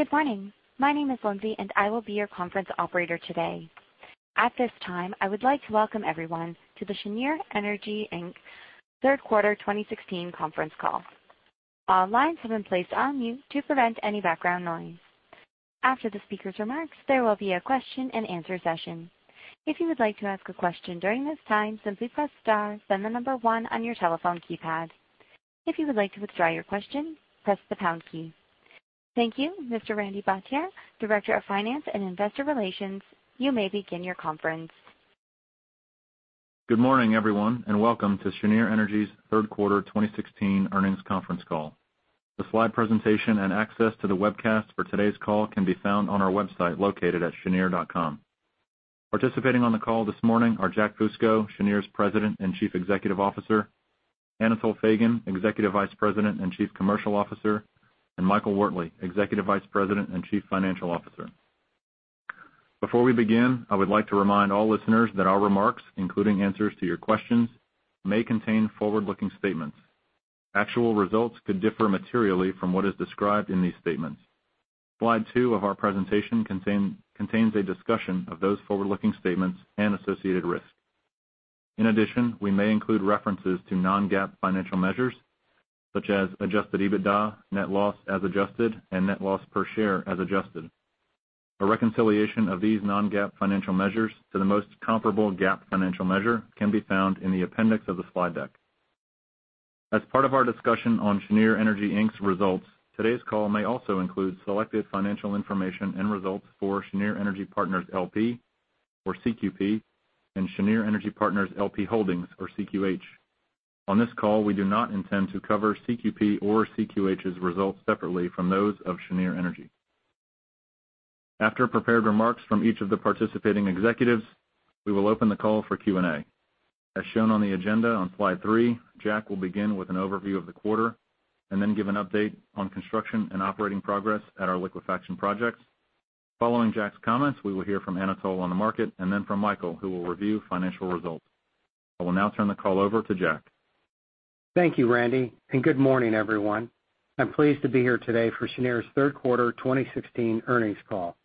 Good morning. My name is Lindsay, and I will be your conference operator today. At this time, I would like to welcome everyone to the Cheniere Energy, Inc. Third Quarter 2016 conference call. All lines have been placed on mute to prevent any background noise. After the speaker's remarks, there will be a question and answer session. If you would like to ask a question during this time, simply press star, then the number one on your telephone keypad. If you would like to withdraw your question, press the pound key. Thank you, Mr. Randy Bhatia, Director of Finance and Investor Relations, you may begin your conference. Good morning, everyone, and welcome to Cheniere Energy's third quarter 2016 earnings conference call. The slide presentation and access to the webcast for today's call can be found on our website located at cheniere.com. Participating on the call this morning are Jack Fusco, Cheniere's President and Chief Executive Officer, Anatol Feygin, Executive Vice President and Chief Commercial Officer, and Michael Wortley, Executive Vice President and Chief Financial Officer. Before we begin, I would like to remind all listeners that our remarks, including answers to your questions, may contain forward-looking statements. Actual results could differ materially from what is described in these statements. Slide two of our presentation contains a discussion of those forward-looking statements and associated risks. In addition, we may include references to non-GAAP financial measures such as adjusted EBITDA, net loss as adjusted, and net loss per share as adjusted. A reconciliation of these non-GAAP financial measures to the most comparable GAAP financial measure can be found in the appendix of the slide deck. As part of our discussion on Cheniere Energy, Inc.'s results, today's call may also include selected financial information and results for Cheniere Energy Partners, L.P. or CQP, and Cheniere Energy Partners LP Holdings or CQH. On this call, we do not intend to cover CQP or CQH's results separately from those of Cheniere Energy. After prepared remarks from each of the participating executives, we will open the call for Q&A. As shown on the agenda on slide three, Jack will begin with an overview of the quarter and then give an update on construction and operating progress at our liquefaction projects. Following Jack's comments, we will hear from Anatol on the market and then from Michael, who will review financial results. I will now turn the call over to Jack. Thank you, Randy, and good morning, everyone. I'm pleased to be here today for Cheniere's third quarter 2016 earnings call.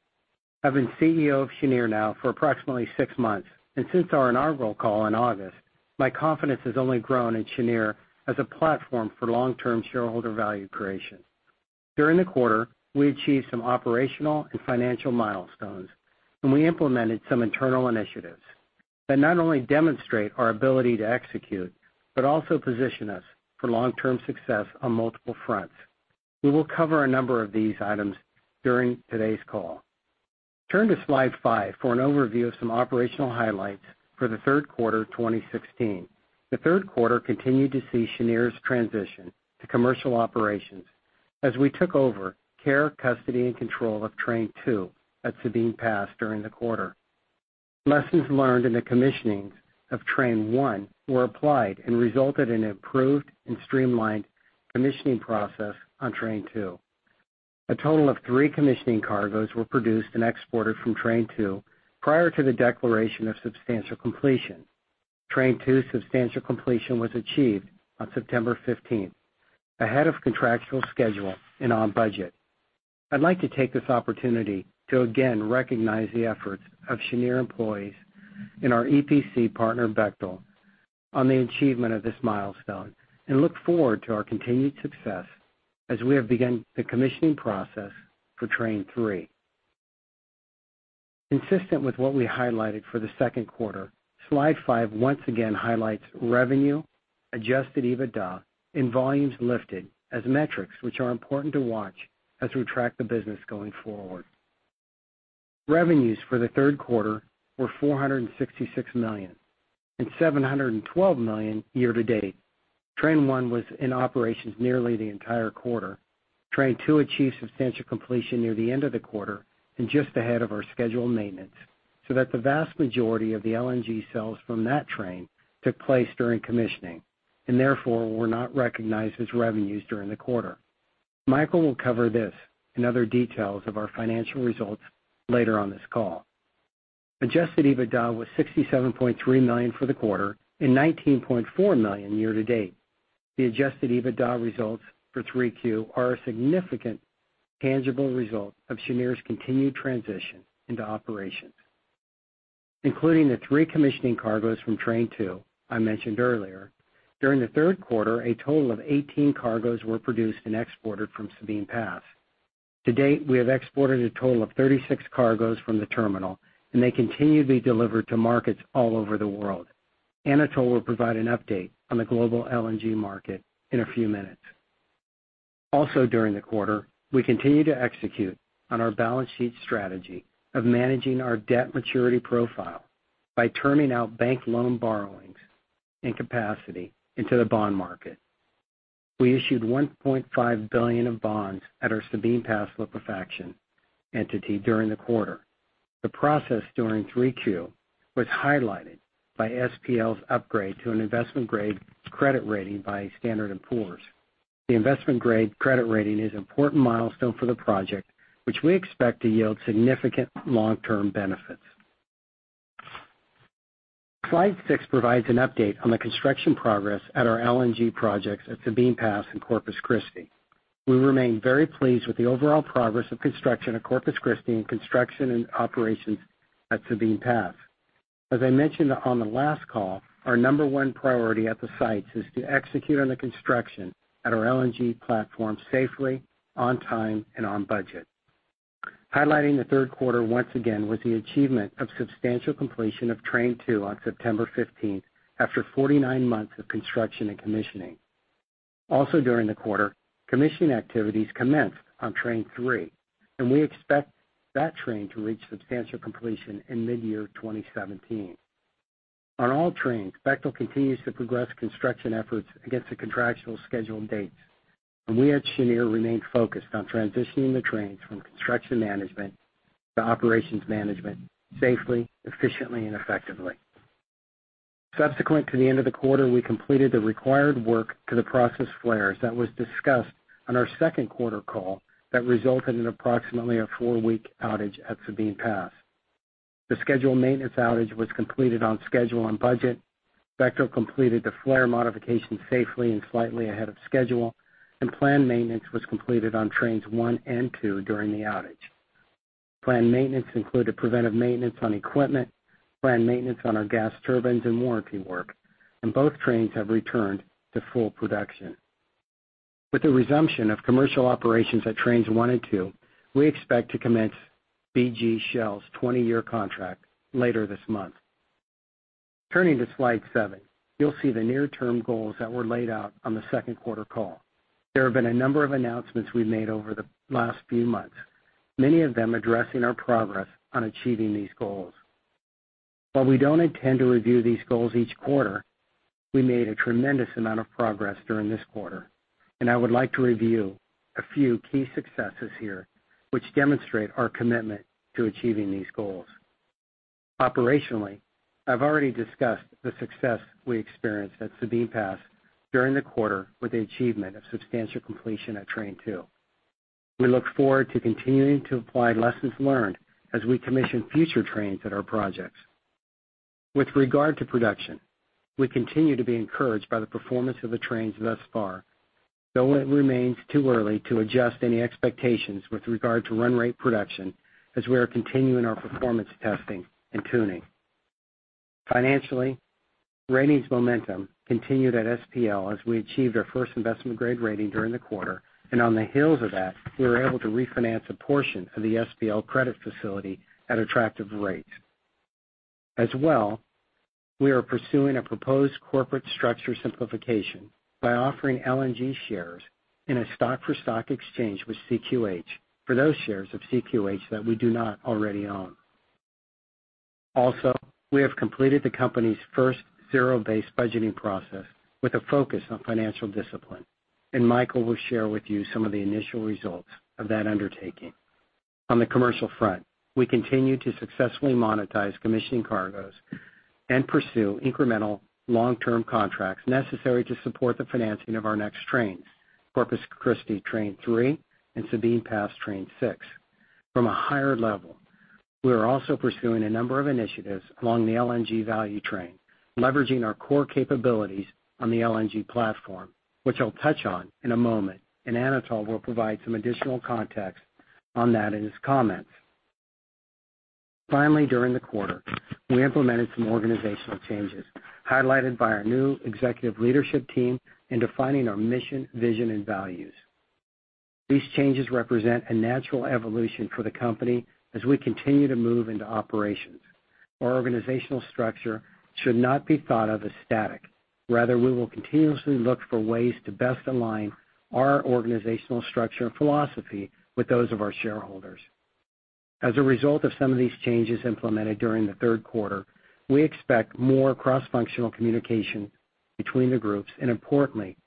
I've been CEO of Cheniere now for approximately six months, and since our inaugural call in August, my confidence has only grown in Cheniere as a platform for long-term shareholder value creation. During the quarter, we achieved some operational and financial milestones, and we implemented some internal initiatives that not only demonstrate our ability to execute, but also position us for long-term success on multiple fronts. We will cover a number of these items during today's call. Turn to slide five for an overview of some operational highlights for the third quarter 2016. The third quarter continued to see Cheniere's transition to commercial operations as we took over care, custody, and control of train 2 at Sabine Pass during the quarter. Lessons learned in the commissionings of train 1 were applied and resulted in improved and streamlined commissioning process on train 2. A total of three commissioning cargoes were produced and exported from train 2 prior to the declaration of substantial completion. Train 2 substantial completion was achieved on September 15th, ahead of contractual schedule and on budget. I'd like to take this opportunity to again recognize the efforts of Cheniere employees and our EPC partner, Bechtel, on the achievement of this milestone and look forward to our continued success as we have begun the commissioning process for train 3. Consistent with what we highlighted for the second quarter, slide five once again highlights revenue, adjusted EBITDA, and volumes lifted as metrics which are important to watch as we track the business going forward. Revenues for the third quarter were $466 million and $712 million year to date. Train 1 was in operations nearly the entire quarter. Train 2 achieved substantial completion near the end of the quarter and just ahead of our scheduled maintenance, so that the vast majority of the LNG sales from that train took place during commissioning and therefore were not recognized as revenues during the quarter. Michael will cover this and other details of our financial results later on this call. Adjusted EBITDA was $67.3 million for the quarter and $19.4 million year to date. The adjusted EBITDA results for 3Q are a significant tangible result of Cheniere's continued transition into operations. Including the three commissioning cargoes from train 2 I mentioned earlier, during the third quarter, a total of 18 cargoes were produced and exported from Sabine Pass. To date, we have exported a total of 36 cargoes from the terminal, and they continue to be delivered to markets all over the world. Anatol will provide an update on the global LNG market in a few minutes. Also during the quarter, we continued to execute on our balance sheet strategy of managing our debt maturity profile by turning out bank loan borrowings and capacity into the bond market. We issued $1.5 billion of bonds at our Sabine Pass liquefaction entity during the quarter. The process during 3Q was highlighted by SPL's upgrade to an investment-grade credit rating by Standard & Poor's. The investment-grade credit rating is an important milestone for the project, which we expect to yield significant long-term benefits. Slide six provides an update on the construction progress at our LNG projects at Sabine Pass and Corpus Christi. We remain very pleased with the overall progress of construction at Corpus Christi and construction and operations at Sabine Pass. As I mentioned on the last call, our number 1 priority at the sites is to execute on the construction at our LNG platform safely, on time, and on budget. Highlighting the third quarter, once again, was the achievement of substantial completion of train 2 on September 15th, after 49 months of construction and commissioning. During the quarter, commissioning activities commenced on train 3, and we expect that train to reach substantial completion in mid-year 2017. On all trains, Bechtel continues to progress construction efforts against the contractual scheduled dates, and we at Cheniere Energy remain focused on transitioning the trains from construction management to operations management safely, efficiently, and effectively. Subsequent to the end of the quarter, we completed the required work to the process flares that was discussed on our second quarter call that resulted in approximately a 4-week outage at Sabine Pass. The scheduled maintenance outage was completed on schedule and budget. Bechtel completed the flare modification safely and slightly ahead of schedule, and planned maintenance was completed on trains 1 and 2 during the outage. Planned maintenance included preventive maintenance on equipment, planned maintenance on our gas turbines, and warranty work, and both trains have returned to full production. With the resumption of commercial operations at trains 1 and 2, we expect to commence BG/Shell's 20-year contract later this month. Turning to slide seven, you'll see the near-term goals that were laid out on the second quarter call. There have been a number of announcements we've made over the last few months, many of them addressing our progress on achieving these goals. While we don't intend to review these goals each quarter, we made a tremendous amount of progress during this quarter. I would like to review a few key successes here, which demonstrate our commitment to achieving these goals. Operationally, I've already discussed the success we experienced at Sabine Pass during the quarter with the achievement of substantial completion at train 2. We look forward to continuing to apply lessons learned as we commission future trains at our projects. With regard to production, we continue to be encouraged by the performance of the trains thus far, though it remains too early to adjust any expectations with regard to run rate production, as we are continuing our performance testing and tuning. Financially, ratings momentum continued at SPL as we achieved our first investment-grade rating during the quarter. On the heels of that, we were able to refinance a portion of the SPL credit facility at attractive rates. As well, we are pursuing a proposed corporate structure simplification by offering LNG shares in a stock-for-stock exchange with CQH for those shares of CQH that we do not already own. We have completed the company's first zero-based budgeting process with a focus on financial discipline, and Michael will share with you some of the initial results of that undertaking. On the commercial front, we continue to successfully monetize commissioning cargoes and pursue incremental long-term contracts necessary to support the financing of our next trains, Corpus Christi train 3 and Sabine Pass train 6. From a higher level, we are also pursuing a number of initiatives along the LNG value chain, leveraging our core capabilities on the LNG platform, which I'll touch on in a moment, and Anatol will provide some additional context on that in his comments. Finally, during the quarter, we implemented some organizational changes highlighted by our new executive leadership team in defining our mission, vision, and values. These changes represent a natural evolution for the company as we continue to move into operations. Our organizational structure should not be thought of as static. Rather, we will continuously look for ways to best align our organizational structure and philosophy with those of our shareholders. As a result of some of these changes implemented during the third quarter, we expect more cross-functional communication between the groups, and importantly,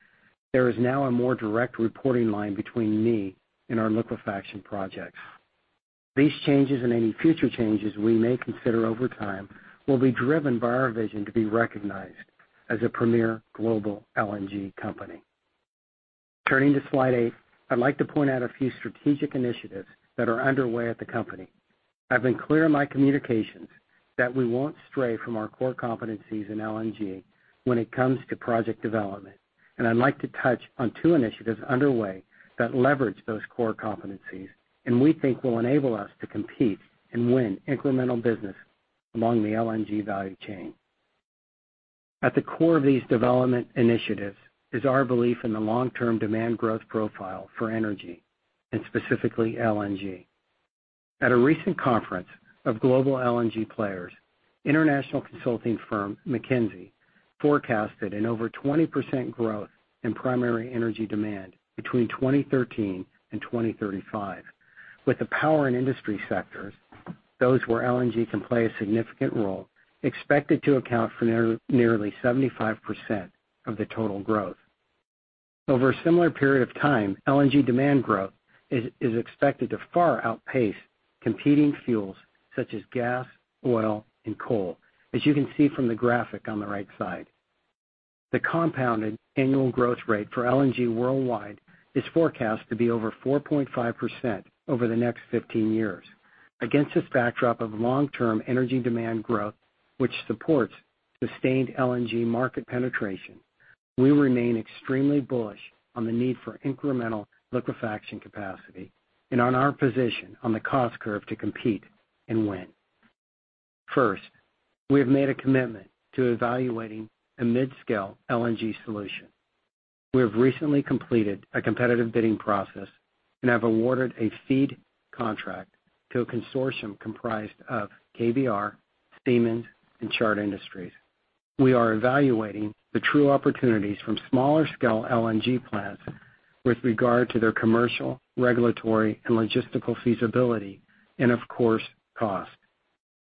there is now a more direct reporting line between me and our liquefaction projects. These changes and any future changes we may consider over time will be driven by our vision to be recognized as a premier global LNG company. Turning to slide eight, I'd like to point out a few strategic initiatives that are underway at the company. I've been clear in my communications that we won't stray from our core competencies in LNG when it comes to project development, and I'd like to touch on two initiatives underway that leverage those core competencies and we think will enable us to compete and win incremental business along the LNG value chain. At the core of these development initiatives is our belief in the long-term demand growth profile for energy and specifically LNG. At a recent conference of global LNG players, international consulting firm McKinsey forecasted an over 20% growth in primary energy demand between 2013 and 2035, with the power and industry sectors, those where LNG can play a significant role, expected to account for nearly 75% of the total growth. Over a similar period of time, LNG demand growth is expected to far outpace competing fuels such as gas, oil, and coal, as you can see from the graphic on the right side. The compounded annual growth rate for LNG worldwide is forecast to be over 4.5% over the next 15 years. Against this backdrop of long-term energy demand growth, which supports sustained LNG market penetration, we remain extremely bullish on the need for incremental liquefaction capacity and on our position on the cost curve to compete and win. First, we have made a commitment to evaluating a mid-scale LNG solution. We have recently completed a competitive bidding process and have awarded a FEED contract to a consortium comprised of KBR, Siemens, and Chart Industries. We are evaluating the true opportunities from smaller-scale LNG plants with regard to their commercial, regulatory, and logistical feasibility, and of course, cost.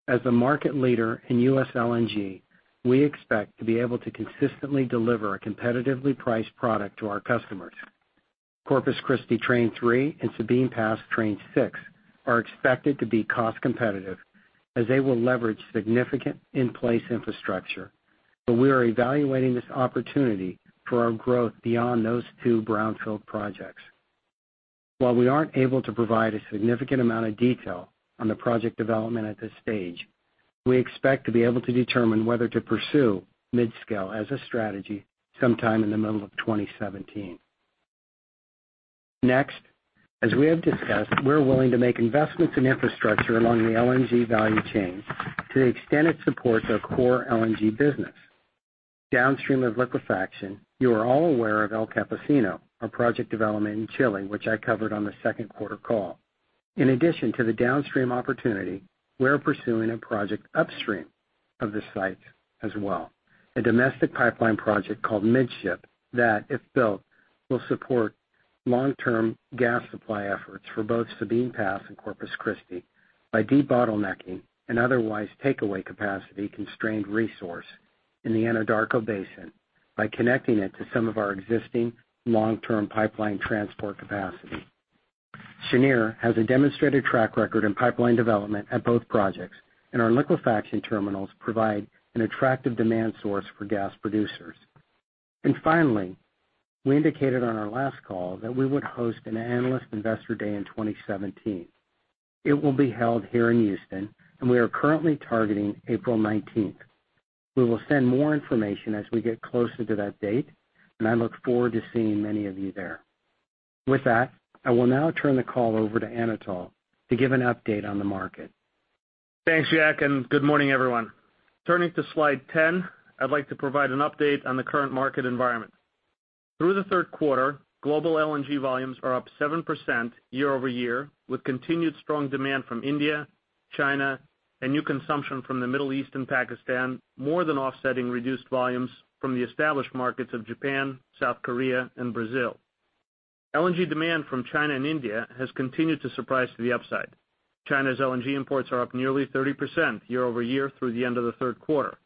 As the market leader in U.S. LNG, we expect to be able to consistently deliver a competitively priced product to our customers. Corpus Christi Train 3 and Sabine Pass Train 6 are expected to be cost-competitive as they will leverage significant in-place infrastructure, but we are evaluating this opportunity for our growth beyond those two brownfield projects. While we aren't able to provide a significant amount of detail on the project development at this stage, we expect to be able to determine whether to pursue mid-scale as a strategy sometime in the middle of 2017. Next, as we have discussed, we're willing to make investments in infrastructure along the LNG value chain to the extent it supports our core LNG business. Downstream of liquefaction, you are all aware of El Campesino, our project development in Chile, which I covered on the second quarter call. In addition to the downstream opportunity, we are pursuing a project upstream of the site as well, a domestic pipeline project called Midship, that, if built, will support long-term gas supply efforts for both Sabine Pass and Corpus Christi by debottlenecking an otherwise takeaway capacity-constrained resource in the Anadarko Basin by connecting it to some of our existing long-term pipeline transport capacity. Cheniere has a demonstrated track record in pipeline development at both projects, and our liquefaction terminals provide an attractive demand source for gas producers. Finally, we indicated on our last call that we would host an analyst investor day in 2017. It will be held here in Houston, and we are currently targeting April 19th. We will send more information as we get closer to that date, and I look forward to seeing many of you there. With that, I will now turn the call over to Anatol to give an update on the market. Thanks, Jack. Good morning, everyone. Turning to slide 10, I'd like to provide an update on the current market environment. Through the third quarter, global LNG volumes are up 7% year-over-year, with continued strong demand from India, China, and new consumption from the Middle East and Pakistan, more than offsetting reduced volumes from the established markets of Japan, South Korea, and Brazil. LNG demand from China and India has continued to surprise to the upside. China's LNG imports are up nearly 30% year-over-year through the end of the third quarter.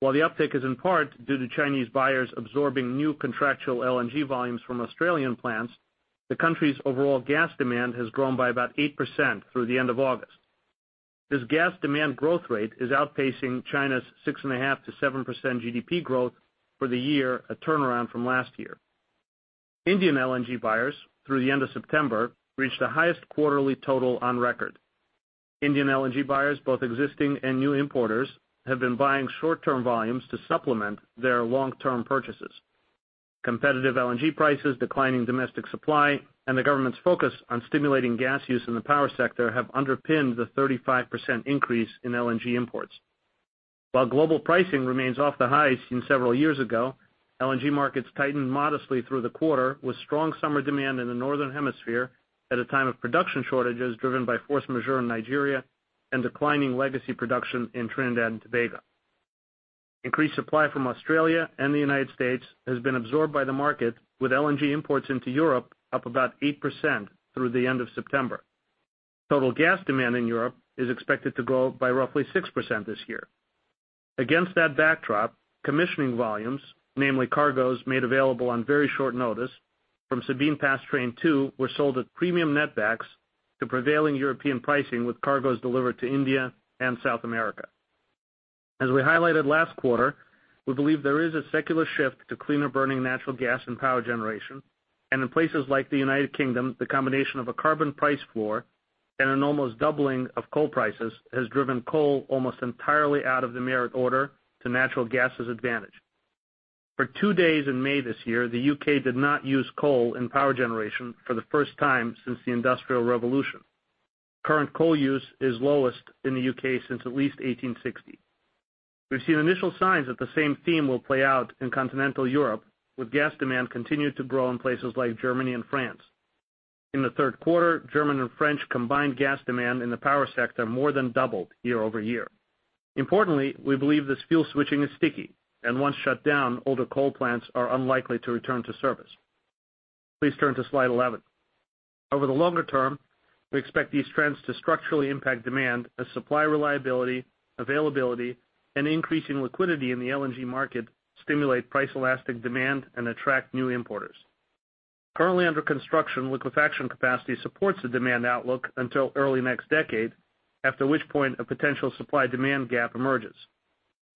While the uptick is in part due to Chinese buyers absorbing new contractual LNG volumes from Australian plants, the country's overall gas demand has grown by about 8% through the end of August. This gas demand growth rate is outpacing China's 6.5%-7% GDP growth for the year, a turnaround from last year. Indian LNG buyers, through the end of September, reached the highest quarterly total on record. Indian LNG buyers, both existing and new importers, have been buying short-term volumes to supplement their long-term purchases. Competitive LNG prices, declining domestic supply, and the government's focus on stimulating gas use in the power sector have underpinned the 35% increase in LNG imports. While global pricing remains off the highs seen several years ago, LNG markets tightened modestly through the quarter with strong summer demand in the northern hemisphere at a time of production shortages driven by force majeure in Nigeria and declining legacy production in Trinidad and Tobago. Increased supply from Australia and the U.S. has been absorbed by the market, with LNG imports into Europe up about 8% through the end of September. Total gas demand in Europe is expected to grow by roughly 6% this year. Against that backdrop, commissioning volumes, namely cargoes made available on very short notice from Sabine Pass Train Two, were sold at premium netbacks to prevailing European pricing, with cargoes delivered to India and South America. As we highlighted last quarter, we believe there is a secular shift to cleaner-burning natural gas and power generation. And in places like the U.K., the combination of a carbon price floor and an almost doubling of coal prices has driven coal almost entirely out of the merit order to natural gas's advantage. For 2 days in May this year, the U.K. did not use coal in power generation for the first time since the Industrial Revolution. Current coal use is lowest in the U.K. since at least 1860. We've seen initial signs that the same theme will play out in continental Europe, with gas demand continuing to grow in places like Germany and France. In the third quarter, German and French combined gas demand in the power sector more than doubled year-over-year. Importantly, we believe this fuel switching is sticky, and once shut down, older coal plants are unlikely to return to service. Please turn to slide 11. Over the longer term, we expect these trends to structurally impact demand as supply reliability, availability, and increasing liquidity in the LNG market stimulate price-elastic demand and attract new importers. Currently under construction, liquefaction capacity supports the demand outlook until early next decade, after which point a potential supply-demand gap emerges.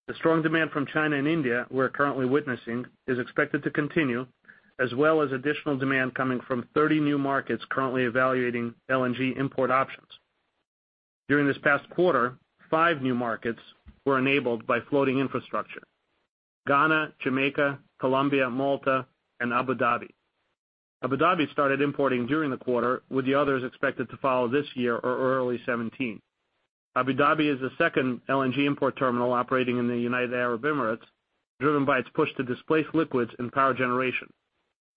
The strong demand from China and India we're currently witnessing is expected to continue, as well as additional demand coming from 30 new markets currently evaluating LNG import options. During this past quarter, 5 new markets were enabled by floating infrastructure: Ghana, Jamaica, Colombia, Malta, and Abu Dhabi. Abu Dhabi started importing during the quarter, with the others expected to follow this year or early 2017. Abu Dhabi is the second LNG import terminal operating in the United Arab Emirates, driven by its push to displace liquids and power generation.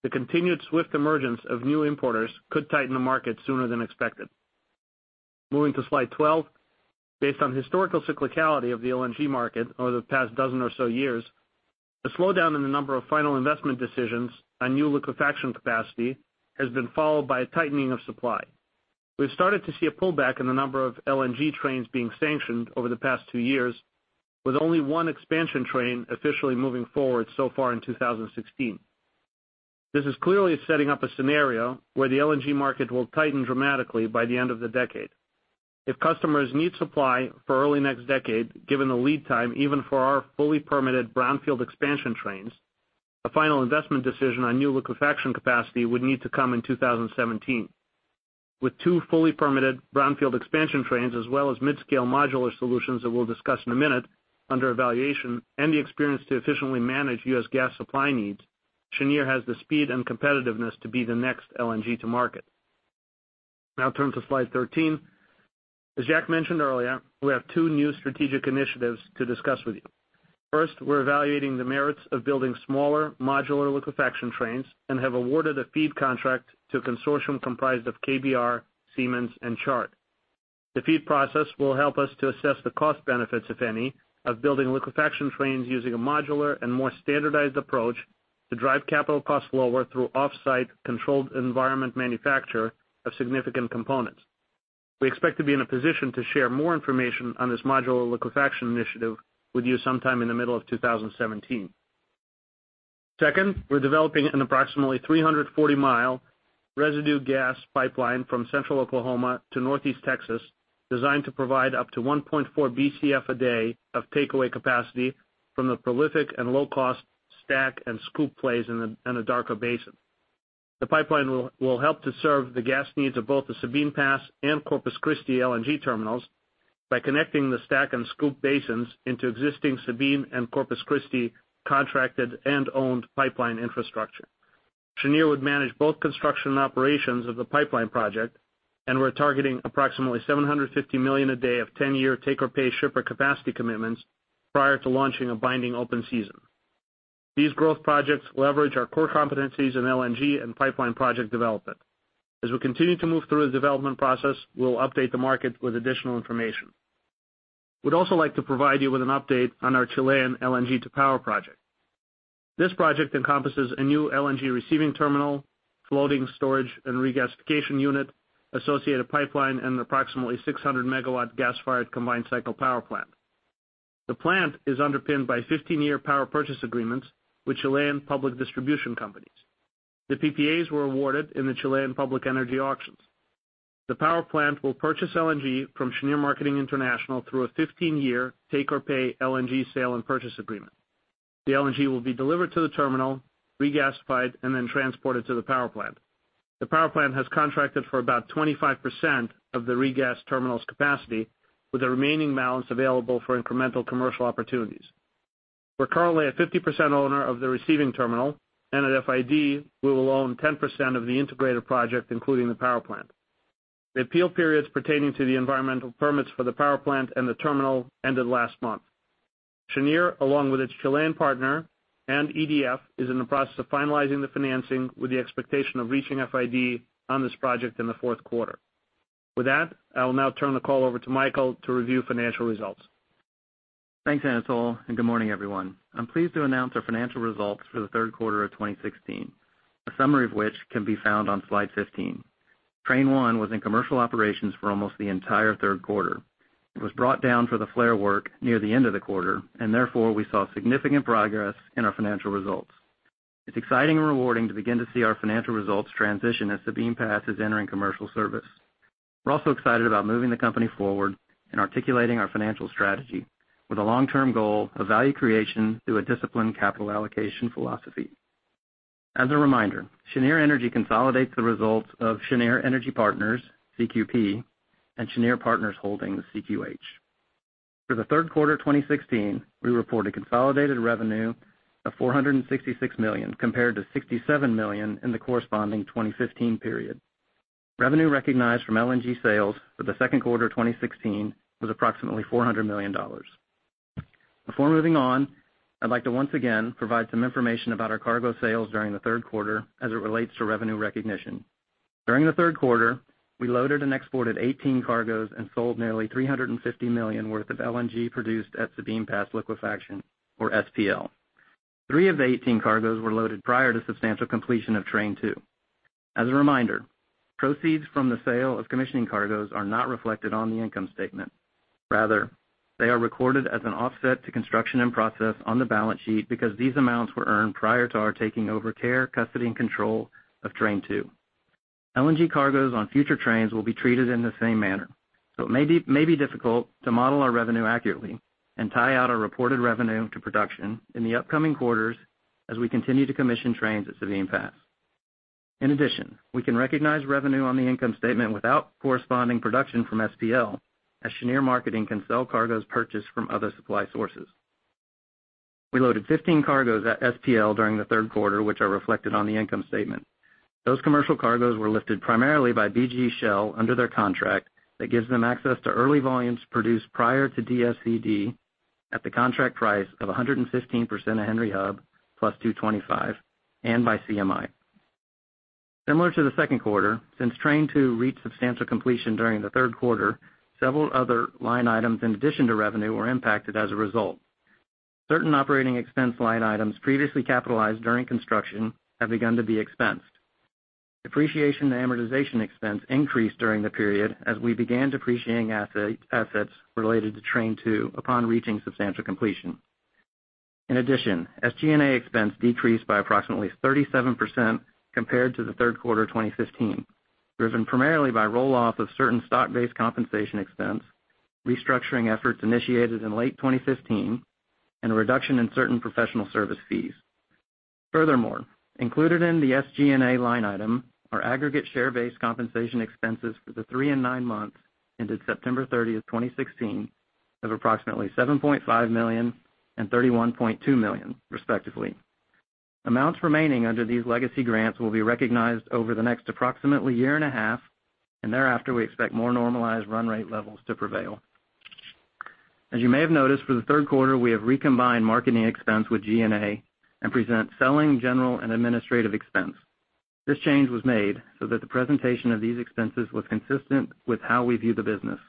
The continued swift emergence of new importers could tighten the market sooner than expected. Moving to slide 12. Based on historical cyclicality of the LNG market over the past dozen or so years, the slowdown in the number of final investment decisions on new liquefaction capacity has been followed by a tightening of supply. We've started to see a pullback in the number of LNG trains being sanctioned over the past 2 years, with only one expansion train officially moving forward so far in 2016. This is clearly setting up a scenario where the LNG market will tighten dramatically by the end of the decade. If customers need supply for early next decade, given the lead time even for our fully permitted brownfield expansion trains, a final investment decision on new liquefaction capacity would need to come in 2017. With 2 fully permitted brownfield expansion trains as well as mid-scale modular solutions that we'll discuss in a minute under evaluation and the experience to efficiently manage U.S. gas supply needs, Cheniere has the speed and competitiveness to be the next LNG to market. Now turn to slide 13. As Jack mentioned earlier, we have 2 new strategic initiatives to discuss with you. First, we're evaluating the merits of building smaller modular liquefaction trains and have awarded a FEED contract to a consortium comprised of KBR, Siemens, and Chart. The FEED process will help us to assess the cost benefits, if any, of building liquefaction trains using a modular and more standardized approach to drive capital costs lower through off-site controlled environment manufacture of significant components. We expect to be in a position to share more information on this modular liquefaction initiative with you sometime in the middle of 2017. Second, we're developing an approximately 340-mile residue gas pipeline from central Oklahoma to northeast Texas, designed to provide up to 1.4 BCF a day of takeaway capacity from the prolific and low-cost STACK and SCOOP plays in the Anadarko Basin. The pipeline will help to serve the gas needs of both the Sabine Pass and Corpus Christi LNG terminals by connecting the STACK and SCOOP basins into existing Sabine and Corpus Christi contracted and owned pipeline infrastructure. Cheniere would manage both construction and operations of the pipeline project, we're targeting approximately $750 million a day of 10-year take-or-pay shipper capacity commitments prior to launching a binding open season. These growth projects leverage our core competencies in LNG and pipeline project development. As we continue to move through the development process, we'll update the market with additional information. We'd also like to provide you with an update on our Chilean LNG to power project. This project encompasses a new LNG receiving terminal, floating storage and regasification unit, associated pipeline, and approximately 600-megawatt gas-fired combined cycle power plant. The plant is underpinned by 15-year power purchase agreements with Chilean public distribution companies. The PPAs were awarded in the Chilean public energy auctions. The power plant will purchase LNG from Cheniere Marketing International through a 15-year take-or-pay LNG sale and purchase agreement. The LNG will be delivered to the terminal, regasified, and then transported to the power plant. The power plant has contracted for about 25% of the regas terminal's capacity, with the remaining balance available for incremental commercial opportunities. We're currently a 50% owner of the receiving terminal, and at FID, we will own 10% of the integrated project, including the power plant. The appeal periods pertaining to the environmental permits for the power plant and the terminal ended last month. Cheniere, along with its Chilean partner and EDF, is in the process of finalizing the financing with the expectation of reaching FID on this project in the fourth quarter. With that, I will now turn the call over to Michael to review financial results. Thanks, Anatol Feygin, and good morning, everyone. I'm pleased to announce our financial results for the third quarter of 2016, a summary of which can be found on slide 15. Train 1 was in commercial operations for almost the entire third quarter. It was brought down for the flare work near the end of the quarter, and therefore, we saw significant progress in our financial results. It's exciting and rewarding to begin to see our financial results transition as Sabine Pass is entering commercial service. We're also excited about moving the company forward and articulating our financial strategy with a long-term goal of value creation through a disciplined capital allocation philosophy. As a reminder, Cheniere Energy consolidates the results of Cheniere Energy Partners, CQP, and Cheniere Partners Holdings, CQH. For the third quarter 2016, we report a consolidated revenue of $466 million compared to $67 million in the corresponding 2015 period. Revenue recognized from LNG sales for the second quarter 2016 was approximately $400 million. Before moving on, I'd like to once again provide some information about our cargo sales during the third quarter as it relates to revenue recognition. During the third quarter, we loaded and exported 18 cargoes and sold nearly $350 million worth of LNG produced at Sabine Pass Liquefaction, or SPL. Three of the 18 cargoes were loaded prior to substantial completion of Train 2. As a reminder, proceeds from the sale of commissioning cargoes are not reflected on the income statement. Rather, they are recorded as an offset to construction in process on the balance sheet because these amounts were earned prior to our taking over care, custody, and control of Train 2. LNG cargoes on future trains will be treated in the same manner. It may be difficult to model our revenue accurately and tie out our reported revenue to production in the upcoming quarters as we continue to commission trains at Sabine Pass. In addition, we can recognize revenue on the income statement without corresponding production from SPL, as Cheniere Marketing can sell cargoes purchased from other supply sources. We loaded 15 cargoes at SPL during the third quarter, which are reflected on the income statement. Those commercial cargoes were lifted primarily by BG/Shell under their contract that gives them access to early volumes produced prior to DSCD at the contract price of 115% of Henry Hub plus 225, and by CMI. Similar to the second quarter, since Train 2 reached substantial completion during the third quarter, several other line items in addition to revenue were impacted as a result. Certain operating expense line items previously capitalized during construction have begun to be expensed. Depreciation and amortization expense increased during the period as we began depreciating assets related to Train 2 upon reaching substantial completion. In addition, SG&A expense decreased by approximately 37% compared to the third quarter 2015, driven primarily by roll-off of certain stock-based compensation expense, restructuring efforts initiated in late 2015, and a reduction in certain professional service fees. Furthermore, included in the SG&A line item are aggregate share-based compensation expenses for the three and nine months ended September 30th, 2016 of approximately $7.5 million and $31.2 million, respectively. Amounts remaining under these legacy grants will be recognized over the next approximately year and a half, and thereafter, we expect more normalized run rate levels to prevail. As you may have noticed, for the third quarter, we have recombined marketing expense with G&A and present Selling, General and Administrative Expense. This change was made so that the presentation of these expenses was consistent with how we view the business.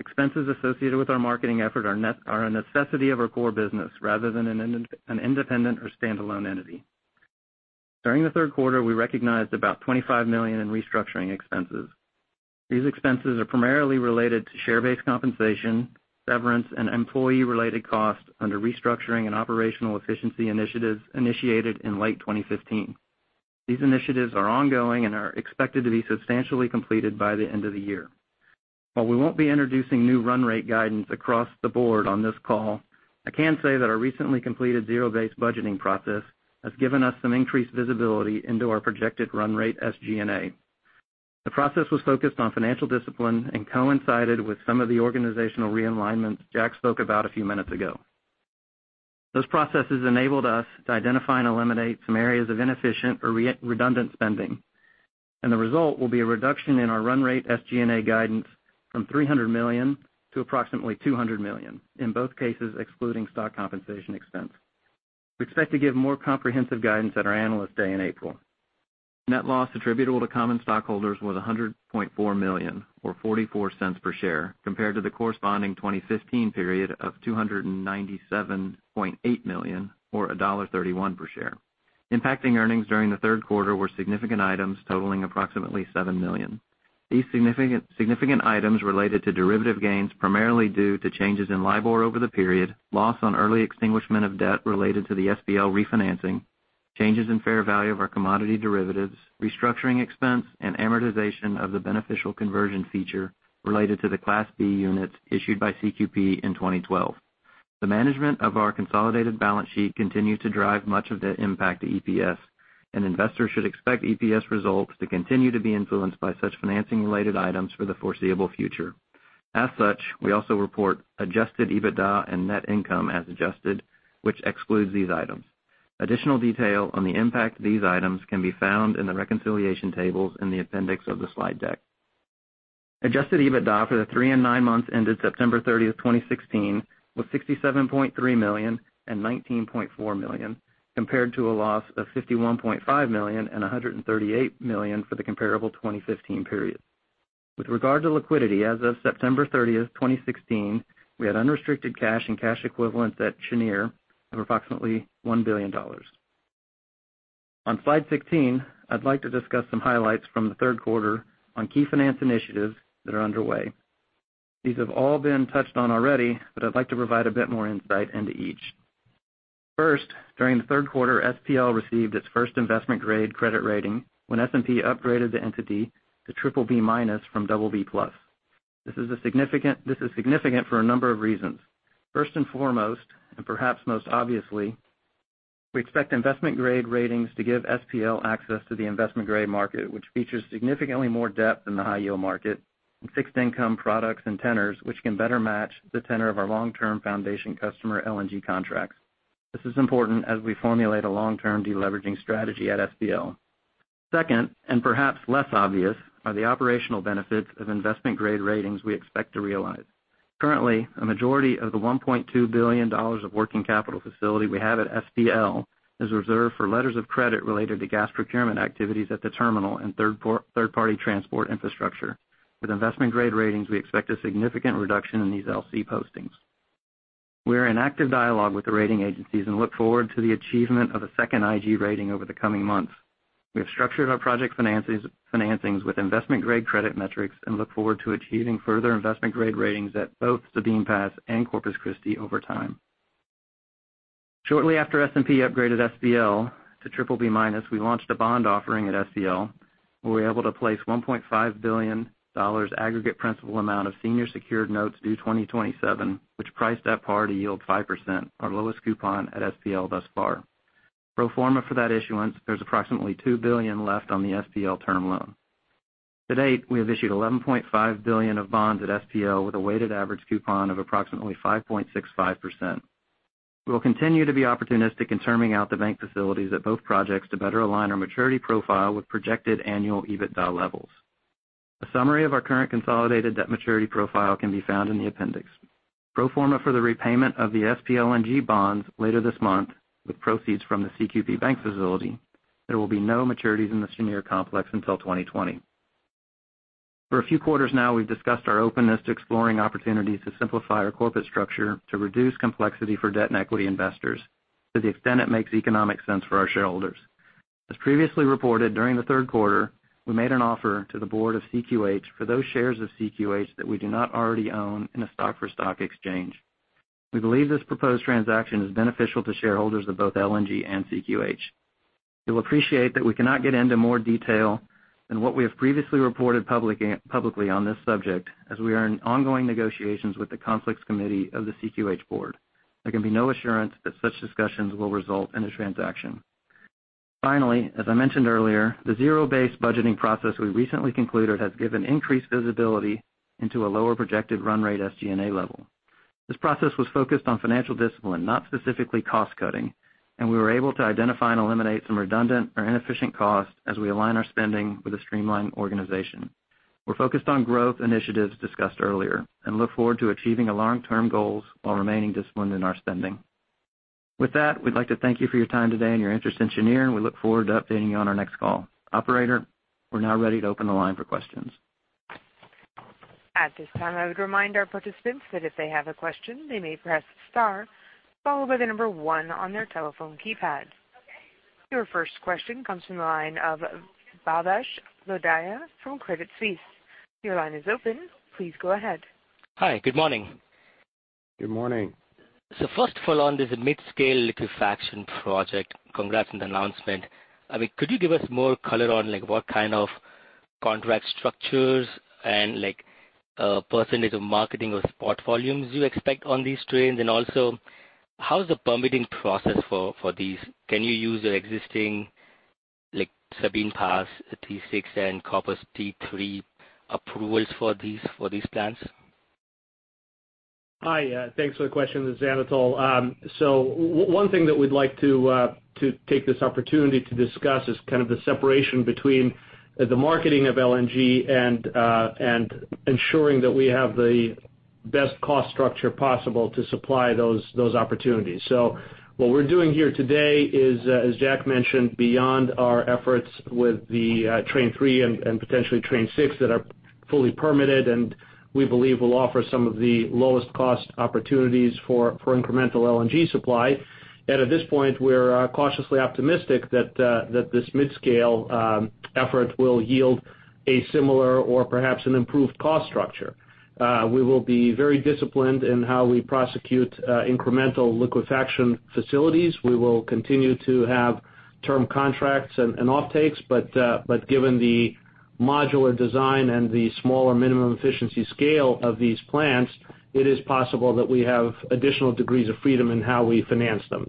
Expenses associated with our marketing effort are a necessity of our core business rather than an independent or standalone entity. During the third quarter, we recognized about $25 million in restructuring expenses. These expenses are primarily related to share-based compensation, severance, and employee-related costs under restructuring and operational efficiency initiatives initiated in late 2015. These initiatives are ongoing and are expected to be substantially completed by the end of the year. While we won't be introducing new run rate guidance across the board on this call, I can say that our recently completed zero-based budgeting process has given us some increased visibility into our projected run rate SG&A. The process was focused on financial discipline and coincided with some of the organizational realignments Jack spoke about a few minutes ago. Those processes enabled us to identify and eliminate some areas of inefficient or redundant spending, and the result will be a reduction in our run rate SG&A guidance from $300 million to approximately $200 million, in both cases, excluding stock compensation expense. We expect to give more comprehensive guidance at our Analyst Day in April. Net loss attributable to common stockholders was $100.4 million, or $0.44 per share, compared to the corresponding 2015 period of $297.8 million, or $1.31 per share. Impacting earnings during the third quarter were significant items totaling approximately $7 million. These significant items related to derivative gains, primarily due to changes in LIBOR over the period, loss on early extinguishment of debt related to the SPL refinancing, changes in fair value of our commodity derivatives, restructuring expense, and amortization of the beneficial conversion feature related to the Class B Units issued by CQP in 2012. The management of our consolidated balance sheet continued to drive much of the impact to EPS, and investors should expect EPS results to continue to be influenced by such financing-related items for the foreseeable future. As such, we also report adjusted EBITDA and net income as adjusted, which excludes these items. Additional detail on the impact of these items can be found in the reconciliation tables in the appendix of the slide deck. Adjusted EBITDA for the three and nine months ended September 30, 2016, was $67.3 million and $19.4 million, compared to a loss of $51.5 million and $138 million for the comparable 2015 period. With regard to liquidity, as of September 30, 2016, we had unrestricted cash and cash equivalents at Cheniere of approximately $1 billion. On slide 16, I'd like to discuss some highlights from the third quarter on key finance initiatives that are underway. These have all been touched on already, but I'd like to provide a bit more insight into each. First, during the third quarter, SPL received its first investment-grade credit rating when S&P upgraded the entity to BBB- from BB+. This is significant for a number of reasons. First and foremost, perhaps most obviously, we expect investment-grade ratings to give SPL access to the investment-grade market, which features significantly more depth in the high yield market and fixed income products and tenors, which can better match the tenor of our long-term foundation customer LNG contracts. This is important as we formulate a long-term deleveraging strategy at SPL. Second, perhaps less obvious, are the operational benefits of investment-grade ratings we expect to realize. Currently, a majority of the $1.2 billion of working capital facility we have at SPL is reserved for letters of credit related to gas procurement activities at the terminal and third-party transport infrastructure. With investment-grade ratings, we expect a significant reduction in these LC postings. We are in active dialogue with the rating agencies and look forward to the achievement of a second IG rating over the coming months. We have structured our project financings with investment-grade credit metrics and look forward to achieving further investment-grade ratings at both Sabine Pass and Corpus Christi over time. Shortly after S&P upgraded SPL to BBB-, we launched a bond offering at SPL, where we were able to place $1.5 billion aggregate principal amount of senior secured notes due 2027, which priced at par to yield 5%, our lowest coupon at SPL thus far. Pro forma for that issuance, there's approximately $2 billion left on the SPL term loan. To date, we have issued $11.5 billion of bonds at SPL with a weighted average coupon of approximately 5.65%. We will continue to be opportunistic in terming out the bank facilities at both projects to better align our maturity profile with projected annual EBITDA levels. A summary of our current consolidated debt maturity profile can be found in the appendix. Pro forma for the repayment of the SPLNG bonds later this month, with proceeds from the CQP bank facility, there will be no maturities in the Cheniere complex until 2020. For a few quarters now, we've discussed our openness to exploring opportunities to simplify our corporate structure to reduce complexity for debt and equity investors, to the extent it makes economic sense for our shareholders. As previously reported, during the third quarter, we made an offer to the board of CQH for those shares of CQH that we do not already own in a stock-for-stock exchange. We believe this proposed transaction is beneficial to shareholders of both LNG and CQH. You'll appreciate that we cannot get into more detail than what we have previously reported publicly on this subject, as we are in ongoing negotiations with the conflicts committee of the CQH board. There can be no assurance that such discussions will result in a transaction. As I mentioned earlier, the zero-based budgeting process we recently concluded has given increased visibility into a lower projected run rate SG&A level. This process was focused on financial discipline, not specifically cost-cutting, and we were able to identify and eliminate some redundant or inefficient costs as we align our spending with a streamlined organization. We're focused on growth initiatives discussed earlier and look forward to achieving our long-term goals while remaining disciplined in our spending. With that, we'd like to thank you for your time today and your interest in Cheniere, and we look forward to updating you on our next call. Operator, we're now ready to open the line for questions. At this time, I would remind our participants that if they have a question, they may press star followed by the number 1 on their telephone keypad. Your first question comes from the line of Bhavesh Lodaya from Credit Suisse. Your line is open. Please go ahead. Hi. Good morning. Good morning. Hi. Good morning. First of all, on this mid-scale liquefaction project, congrats on the announcement. Could you give us more color on what kind of contract structures and % of marketing of spot volumes you expect on these trains? Also, how is the permitting process for these? Can you use your existing Sabine Pass T6 and Corpus T3 approvals for these plants? Hi. Thanks for the question, this is Anatol. One thing that we'd like to take this opportunity to discuss is kind of the separation between the marketing of LNG and ensuring that we have the best cost structure possible to supply those opportunities. What we're doing here today is, as Jack mentioned, beyond our efforts with the Train 3 and potentially Train 6 that are fully permitted, and we believe will offer some of the lowest-cost opportunities for incremental LNG supply. At this point, we're cautiously optimistic that this mid-scale effort will yield a similar or perhaps an improved cost structure. We will be very disciplined in how we prosecute incremental liquefaction facilities. We will continue to have term contracts and offtakes, given the modular design and the smaller minimum efficiency scale of these plants, it is possible that we have additional degrees of freedom in how we finance them.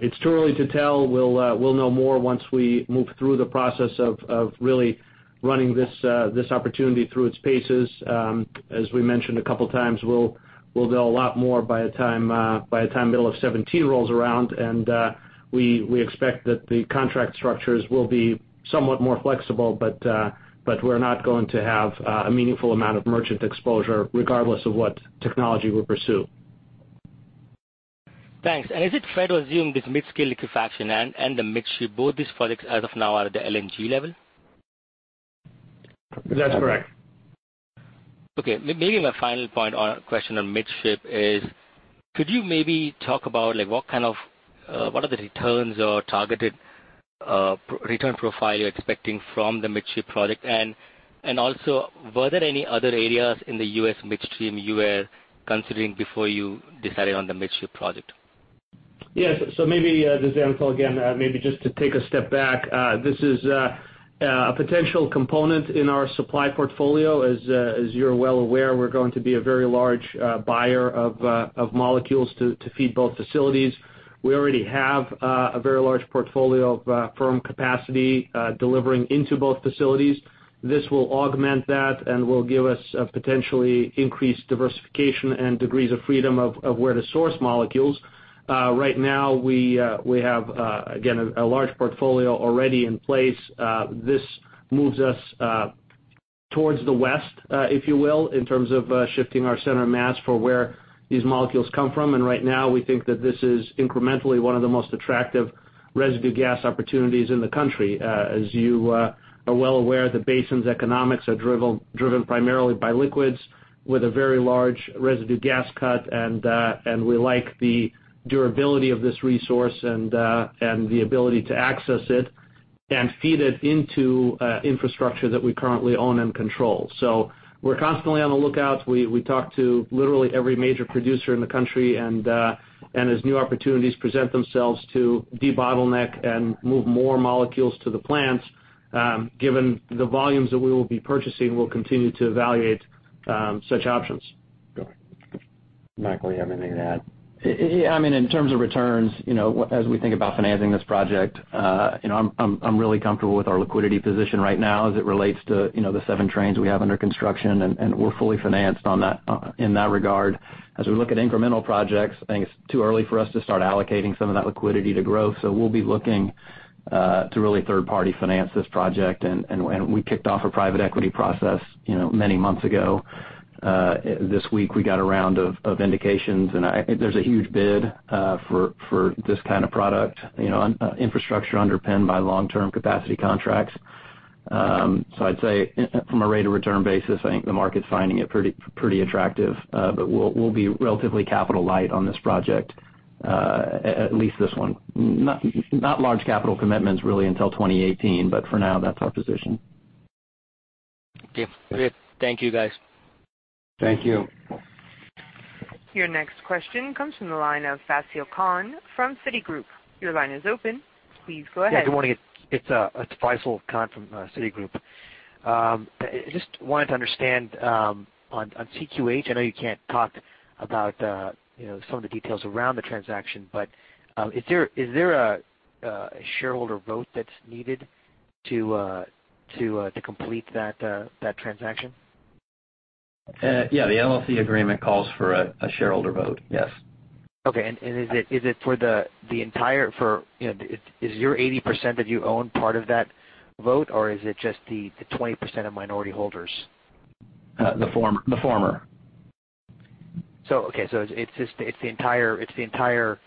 It's too early to tell. We'll know more once we move through the process of really running this opportunity through its paces. As we mentioned a couple times, we'll know a lot more by the time middle of 2017 rolls around, we expect that the contract structures will be somewhat more flexible, we're not going to have a meaningful amount of merchant exposure regardless of what technology we pursue. Thanks. Is it fair to assume this mid-scale liquefaction and the midstream, both these projects as of now are at the LNG level? That's correct. Okay. Maybe my final point or question on Midship is, could you maybe talk about what are the returns or targeted return profile you're expecting from the Midship project, and also, were there any other areas in the U.S. midstream you were considering before you decided on the Midship project? Yes. Maybe, this is Anatol again, maybe just to take a step back. This is a potential component in our supply portfolio. As you're well aware, we're going to be a very large buyer of molecules to feed both facilities. We already have a very large portfolio of firm capacity delivering into both facilities. This will augment that and will give us a potentially increased diversification and degrees of freedom of where to source molecules. Right now, we have, again, a large portfolio already in place. This moves us Towards the west, if you will, in terms of shifting our center of mass for where these molecules come from. Right now we think that this is incrementally one of the most attractive residue gas opportunities in the country. As you are well aware, the basin's economics are driven primarily by liquids with a very large residue gas cut. We like the durability of this resource and the ability to access it and feed it into infrastructure that we currently own and control. We're constantly on the lookout. We talk to literally every major producer in the country, and as new opportunities present themselves to debottleneck and move more molecules to the plants, given the volumes that we will be purchasing, we'll continue to evaluate such options. Go ahead. Michael, you have anything to add? Yeah. In terms of returns, as we think about financing this project, I'm really comfortable with our liquidity position right now as it relates to the seven trains we have under construction, we're fully financed in that regard. As we look at incremental projects, I think it's too early for us to start allocating some of that liquidity to growth. We'll be looking to really third-party finance this project, and we kicked off a private equity process many months ago. This week we got a round of indications, I think there's a huge bid for this kind of product, infrastructure underpinned by long-term capacity contracts. I'd say from a rate of return basis, I think the market's finding it pretty attractive. We'll be relatively capital light on this project, at least this one. Not large capital commitments really until 2018. For now, that's our position. Okay. Great. Thank you, guys. Thank you. Your next question comes from the line of Faisel Khan from Citigroup. Your line is open. Please go ahead. Yeah, good morning. It's Faisel Khan from Citigroup. I just wanted to understand, on CQH, I know you can't talk about some of the details around the transaction, but is there a shareholder vote that's needed to complete that transaction? Yeah. The LLC agreement calls for a shareholder vote. Yes. Okay. Is your 80% that you own part of that vote, or is it just the 20% of minority holders? The former. Okay. It's the entire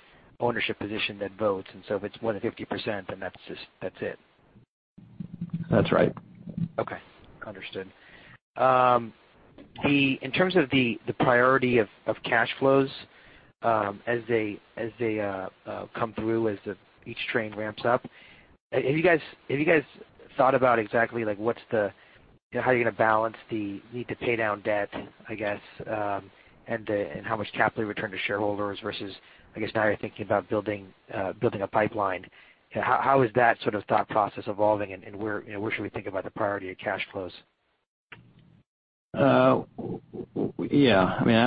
ownership position that votes, if it's more than 50%, that's it. That's right. Okay. Understood. In terms of the priority of cash flows as they come through, as each train ramps up, have you guys thought about exactly how you're going to balance the need to pay down debt, I guess and how much capital return to shareholders versus, I guess now you're thinking about building a pipeline. How is that sort of thought process evolving and where should we think about the priority of cash flows? Yeah.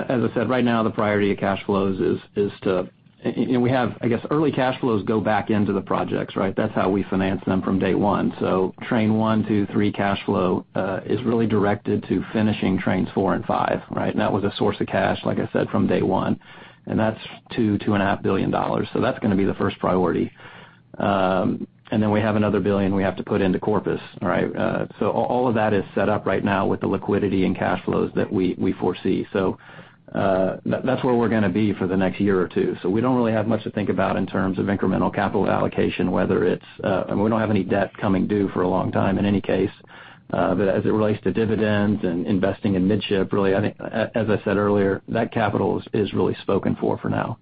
As I said, right now the priority of cash flows is We have, I guess, early cash flows go back into the projects, right? That's how we finance them from day one. Train 1, 2, 3 cash flow is really directed to finishing Trains 4 and 5, right? That was a source of cash, like I said, from day one. That's $2 billion, $2.5 billion. That's going to be the first priority. Then we have another $1 billion we have to put into Corpus, right? All of that is set up right now with the liquidity and cash flows that we foresee. That's where we're going to be for the next year or two. We don't really have much to think about in terms of incremental capital allocation, We don't have any debt coming due for a long time in any case. As it relates to dividends and investing in Midship, really, I think, as I said earlier, that capital is really spoken for now.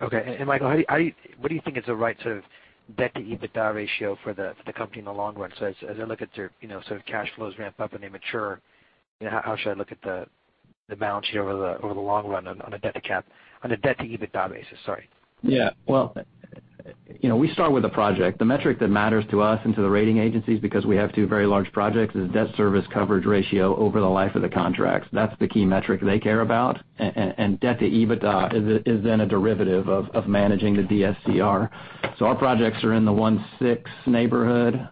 Okay. Michael, what do you think is the right sort of debt to EBITDA ratio for the company in the long run? As I look at your sort of cash flows ramp up and they mature, how should I look at the balance sheet over the long run on a debt to EBITDA basis? Sorry. Well, we start with the project. The metric that matters to us and to the rating agencies, because we have two very large projects, is debt service coverage ratio over the life of the contracts. That's the key metric they care about. Debt to EBITDA is then a derivative of managing the DSCR. Our projects are in the 1.6 neighborhood,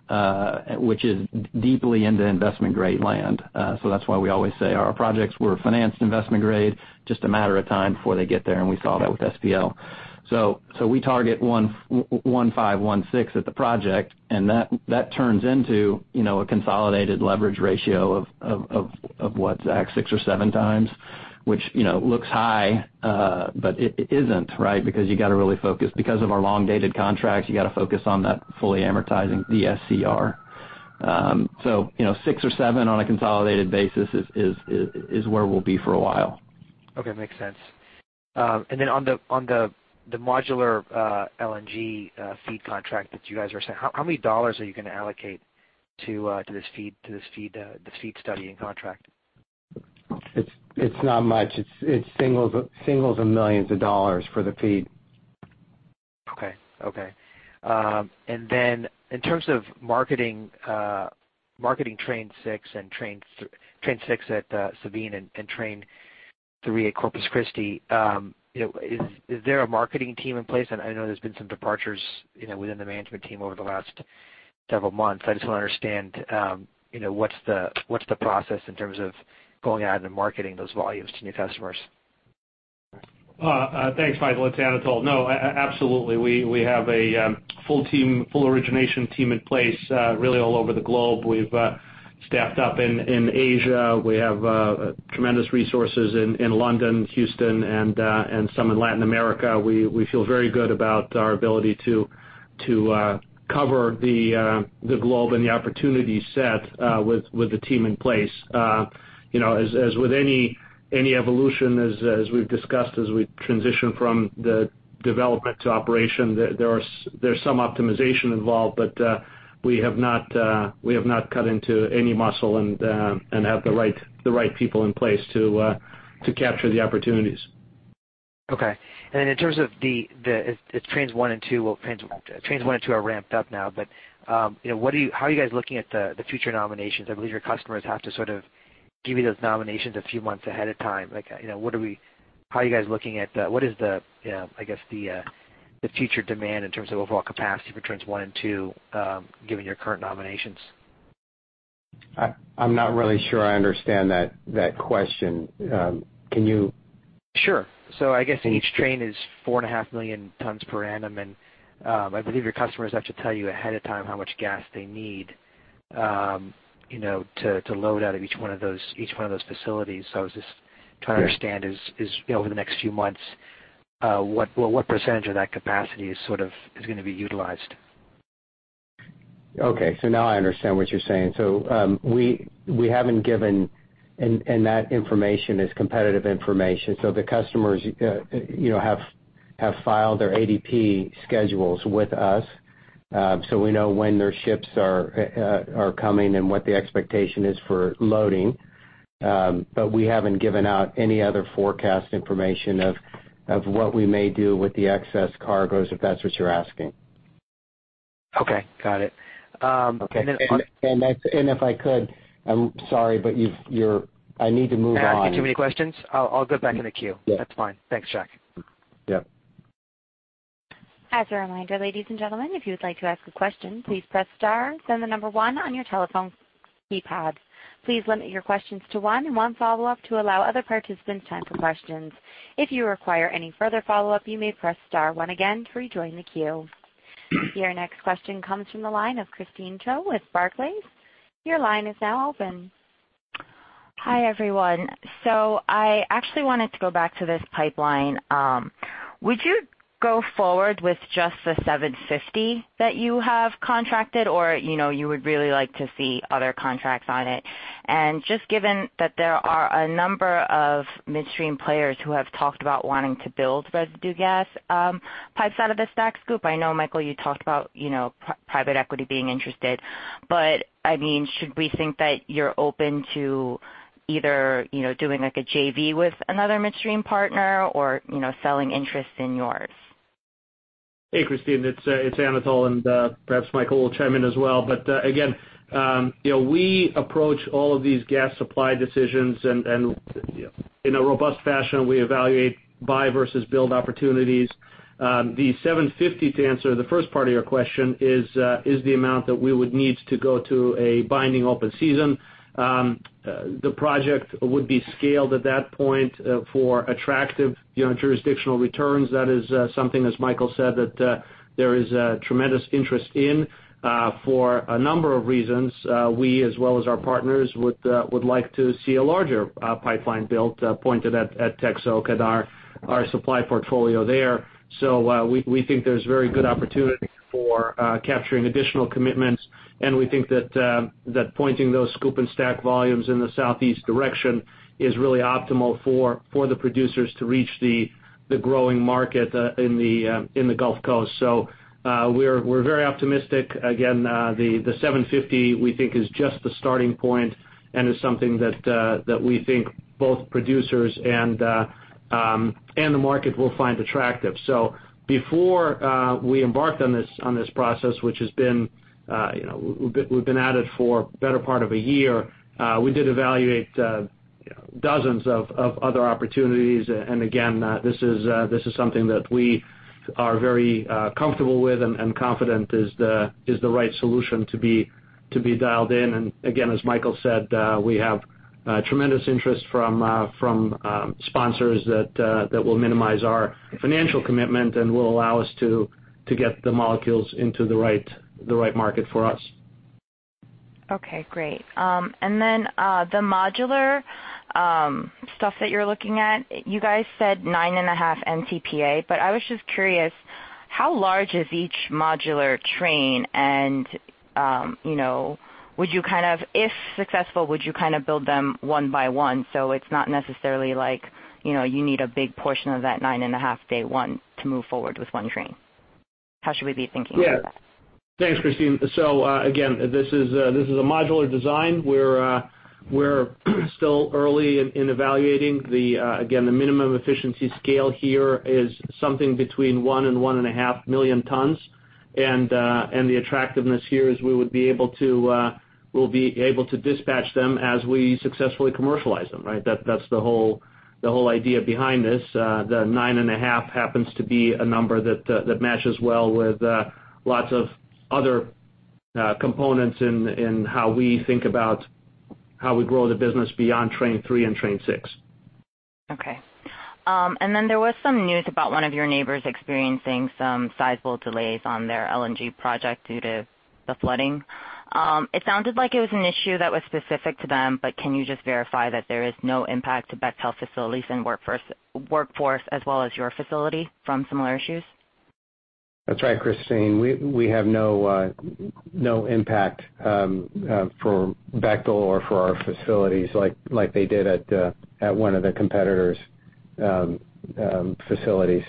which is deeply into investment-grade land. That's why we always say our projects were financed investment-grade, just a matter of time before they get there, and we saw that with SPL. We target 1.5, 1.6 at the project, and that turns into a consolidated leverage ratio of, what, Zach? Six or seven times, which looks high, but it isn't, right? Because you got to really focus. Because of our long-dated contracts, you got to focus on that fully amortizing DSCR. Six or seven on a consolidated basis is where we'll be for a while. Okay. Makes sense. Then on the modular LNG FEED contract that you guys are saying, how many dollars are you going to allocate to this FEED study and contract? It's not much. It's singles of millions of dollars for the FEED. Okay. Then in terms of marketing Train 6 at Sabine and Train 3 at Corpus Christi, is there a marketing team in place? I know there's been some departures within the management team over the last several months. I just want to understand, what's the process in terms of going out and marketing those volumes to new customers? Thanks, Michael. It's Anatol. No, absolutely. We have a full origination team in place really all over the globe. We've staffed up in Asia. We have tremendous resources in London, Houston, and some in Latin America. We feel very good about our ability to cover the globe and the opportunity set with the team in place. As with any evolution, as we've discussed, as we transition from the development to operation, there's some optimization involved. We have not cut into any muscle and have the right people in place to capture the opportunities. Okay. In terms of the Trains 1 and 2 are ramped up now, how are you guys looking at the future nominations? I believe your customers have to sort of give you those nominations a few months ahead of time. How are you guys looking at the what is the future demand in terms of overall capacity for Trains 1 and 2, given your current nominations? I'm not really sure I understand that question. Can you- Sure. I guess each train is 4.5 million tonnes per annum, and I believe your customers have to tell you ahead of time how much gas they need to load out of each one of those facilities. I was just trying to understand is, over the next few months, what % of that capacity is going to be utilized. Okay. That information is competitive information. The customers have filed their ADP schedules with us. We know when their ships are coming and what the expectation is for loading. We haven't given out any other forecast information of what we may do with the excess cargoes, if that's what you're asking. Okay. Got it. Okay. If I could, I'm sorry, I need to move on. Asking too many questions? I'll go back in the queue. Yeah. That's fine. Thanks, Jack. Yeah. As a reminder, ladies and gentlemen, if you would like to ask a question, please press star, then the number 1 on your telephone keypad. Please limit your questions to one and one follow-up to allow other participants time for questions. If you require any further follow-up, you may press star 1 again to rejoin the queue. Your next question comes from the line of Christine Cho with Barclays. Your line is now open. Hi, everyone. I actually wanted to go back to this pipeline. Would you go forward with just the 750 that you have contracted or you would really like to see other contracts on it? Given that there are a number of midstream players who have talked about wanting to build residue gas pipes out of the STACK/SCOOP. I know, Michael, you talked about private equity being interested. Should we think that you're open to either doing like a JV with another midstream partner or selling interest in yours? Hey, Christine, it's Anatol, and perhaps Michael will chime in as well. Again, we approach all of these gas supply decisions in a robust fashion. We evaluate buy versus build opportunities. The 750, to answer the first part of your question, is the amount that we would need to go to a binding open season. The project would be scaled at that point for attractive jurisdictional returns. That is something, as Michael said, that there is a tremendous interest in for a number of reasons. We, as well as our partners, would like to see a larger pipeline built pointed at Texas and our supply portfolio there. We think there's very good opportunity for capturing additional commitments, and we think that pointing those SCOOP and STACK volumes in the southeast direction is really optimal for the producers to reach the growing market in the Gulf Coast. We're very optimistic. Again, the 750, we think is just the starting point and is something that we think both producers and the market will find attractive. Before we embarked on this process, which we've been at it for the better part of a year, we did evaluate dozens of other opportunities. Again, this is something that we are very comfortable with and confident is the right solution to be dialed in. Again, as Michael said, we have tremendous interest from sponsors that will minimize our financial commitment and will allow us to get the molecules into the right market for us. Okay, great. Then the modular stuff that you're looking at, you guys said nine and a half MTPA, but I was just curious, how large is each modular train? If successful, would you kind of build them one by one, so it's not necessarily like you need a big portion of that nine and a half day one to move forward with one train? How should we be thinking about that? Yeah. Thanks, Christine. Again, this is a modular design. We're still early in evaluating. Again, the minimum efficiency scale here is something between one and one and a half million tons. The attractiveness here is we'll be able to dispatch them as we successfully commercialize them, right? That's the whole idea behind this. The nine and a half happens to be a number that matches well with lots of other components in how we think about How we grow the business beyond Train 3 and Train 6. Okay. There was some news about one of your neighbors experiencing some sizable delays on their LNG project due to the flooding. It sounded like it was an issue that was specific to them, but can you just verify that there is no impact to Bechtel facilities and workforce as well as your facility from similar issues? That's right, Christine. We have no impact for Bechtel or for our facilities like they did at one of the competitor's facilities.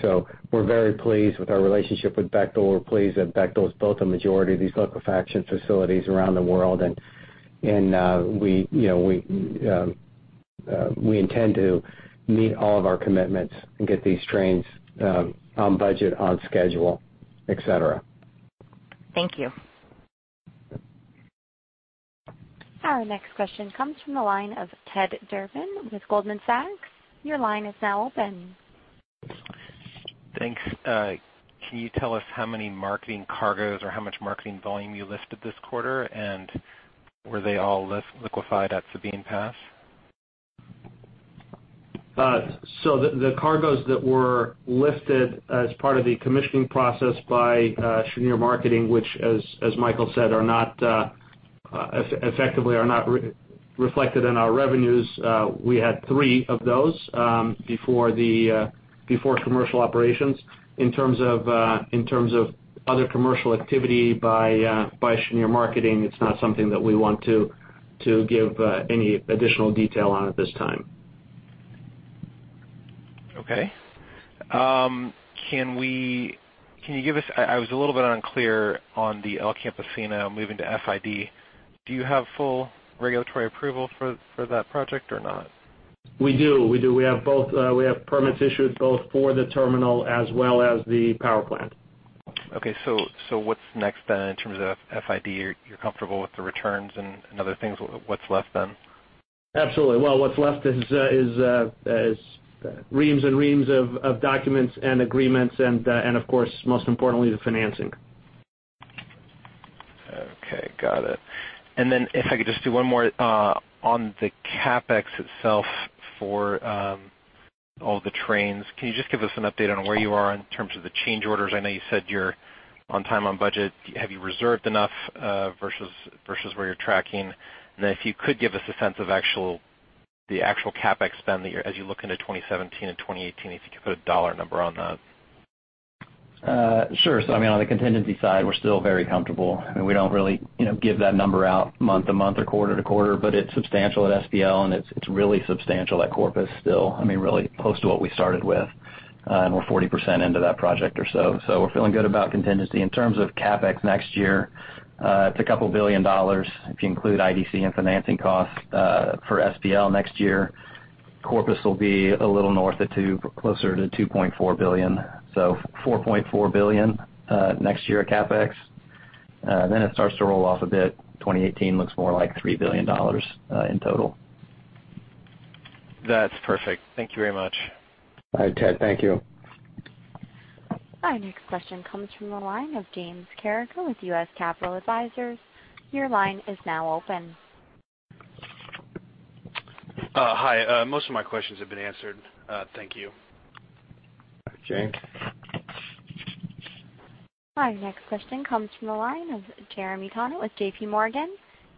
We're very pleased with our relationship with Bechtel. We're pleased that Bechtel's built a majority of these liquefaction facilities around the world. We intend to meet all of our commitments and get these trains on budget, on schedule, et cetera. Thank you. Our next question comes from the line of Ted Durbin with Goldman Sachs. Your line is now open. Thanks. Can you tell us how many marketing cargoes or how much marketing volume you lifted this quarter, and were they all liquefied at Sabine Pass? The cargoes that were lifted as part of the commissioning process by Cheniere Marketing, which as Michael said, effectively are not reflected in our revenues. We had three of those before commercial operations. In terms of other commercial activity by Cheniere Marketing, it's not something that we want to give any additional detail on at this time. Okay. I was a little bit unclear on the El Campesino moving to FID. Do you have full regulatory approval for that project or not? We do. We have permits issued both for the terminal as well as the power plant. What's next then in terms of FID? You're comfortable with the returns and other things. What's left then? Absolutely. Well, what's left is reams and reams of documents and agreements and, of course, most importantly, the financing. Okay. Got it. Then if I could just do one more. On the CapEx itself for all the trains, can you just give us an update on where you are in terms of the change orders? I know you said you're on time, on budget. Have you reserved enough, versus where you're tracking? Then if you could give us a sense of the actual CapEx spend as you look into 2017 and 2018, if you could put a dollar number on that. Sure. On the contingency side, we're still very comfortable. We don't really give that number out month to month or quarter to quarter, but it's substantial at SPL and it's really substantial at Corpus still. Really close to what we started with. We're 40% into that project or so. We're feeling good about contingency. In terms of CapEx next year, it's a couple billion dollars, if you include IDC and financing costs, for SPL next year. Corpus will be a little north of two, closer to $2.4 billion. $4.4 billion next year at CapEx. It starts to roll off a bit. 2018 looks more like $3 billion in total. That's perfect. Thank you very much. Bye, Ted. Thank you. Our next question comes from the line of James Carreker with U.S. Capital Advisors. Your line is now open. Hi. Most of my questions have been answered. Thank you. Bye, James. Our next question comes from the line of Jeremy Tonet with JPMorgan.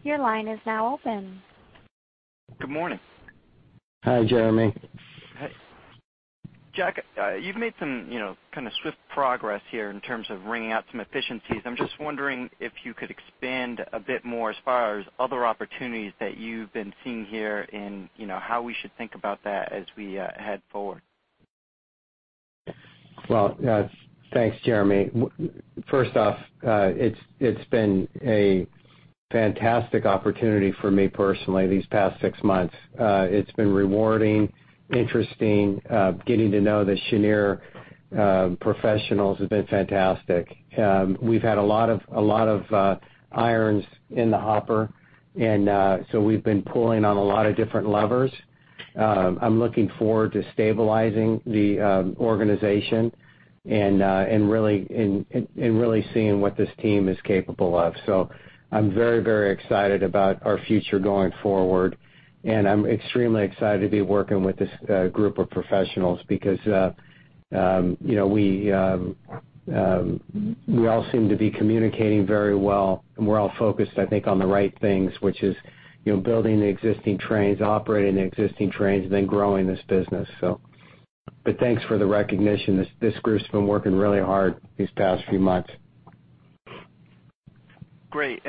Your line is now open. Good morning. Hi, Jeremy. Jack, you've made some swift progress here in terms of wringing out some efficiencies. I'm just wondering if you could expand a bit more as far as other opportunities that you've been seeing here and how we should think about that as we head forward. Thanks, Jeremy. First off, it's been a fantastic opportunity for me personally these past six months. It's been rewarding, interesting. Getting to know the Cheniere professionals has been fantastic. We've had a lot of irons in the hopper. We've been pulling on a lot of different levers. I'm looking forward to stabilizing the organization and really seeing what this team is capable of. I'm very excited about our future going forward, and I'm extremely excited to be working with this group of professionals because we all seem to be communicating very well, and we're all focused, I think, on the right things, which is building the existing trains, operating the existing trains, growing this business. Thanks for the recognition. This group's been working really hard these past few months. Great.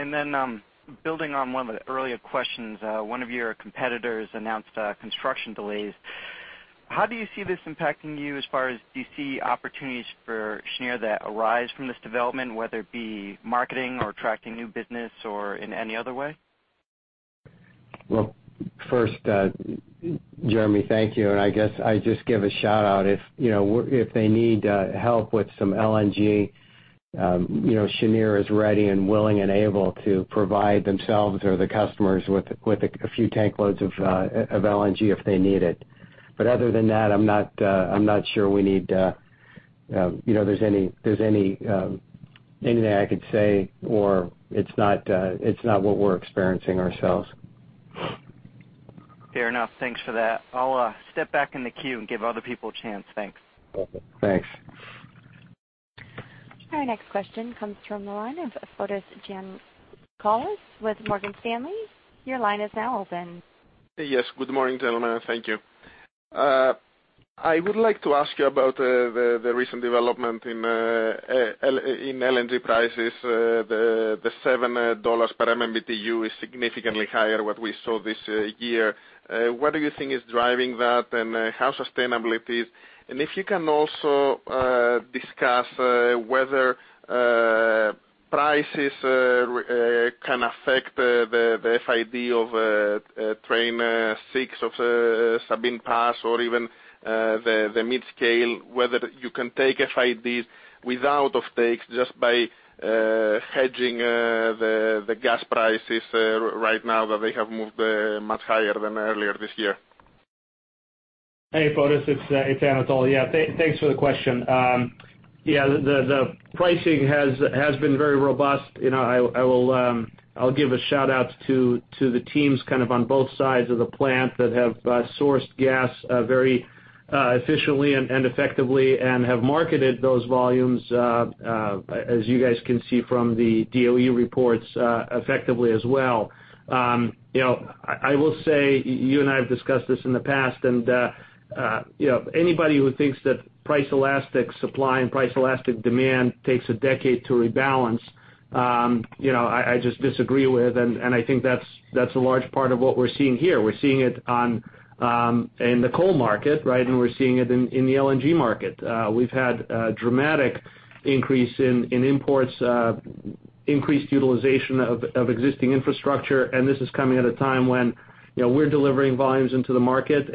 Building on one of the earlier questions, one of your competitors announced construction delays. How do you see this impacting you as far as, do you see opportunities for Cheniere that arise from this development, whether it be marketing or attracting new business or in any other way? Well, first, Jeremy, thank you. I guess I just give a shout-out. If they need help with some LNG, Cheniere is ready and willing and able to provide themselves or the customers with a few tank loads of LNG if they need it. Other than that, I'm not sure we need There's anything I could say, or it's not what we're experiencing ourselves. Fair enough. Thanks for that. I'll step back in the queue and give other people a chance. Thanks. Okay, thanks. Our next question comes from the line of Fotis Giannakoulis with Morgan Stanley. Your line is now open. Yes. Good morning, gentlemen. Thank you. I would like to ask you about the recent development in LNG prices. The $7 per MMBtu is significantly higher what we saw this year. What do you think is driving that, and how sustainable it is? If you can also discuss whether prices can affect the FID of Train 6 of Sabine Pass or even the mid-scale, whether you can take FIDs without offtakes just by hedging the gas prices right now that they have moved much higher than earlier this year. Hey, Fotis. It's Anatol. Yeah, thanks for the question. Yeah, the pricing has been very robust. I'll give a shout-out to the teams on both sides of the plant that have sourced gas very efficiently and effectively and have marketed those volumes, as you guys can see from the DOE reports, effectively as well. I will say, you and I have discussed this in the past, and anybody who thinks that price-elastic supply and price-elastic demand takes a decade to rebalance, I just disagree with, and I think that's a large part of what we're seeing here. We're seeing it in the coal market, right? We're seeing it in the LNG market. We've had a dramatic increase in imports, increased utilization of existing infrastructure, and this is coming at a time when we're delivering volumes into the market.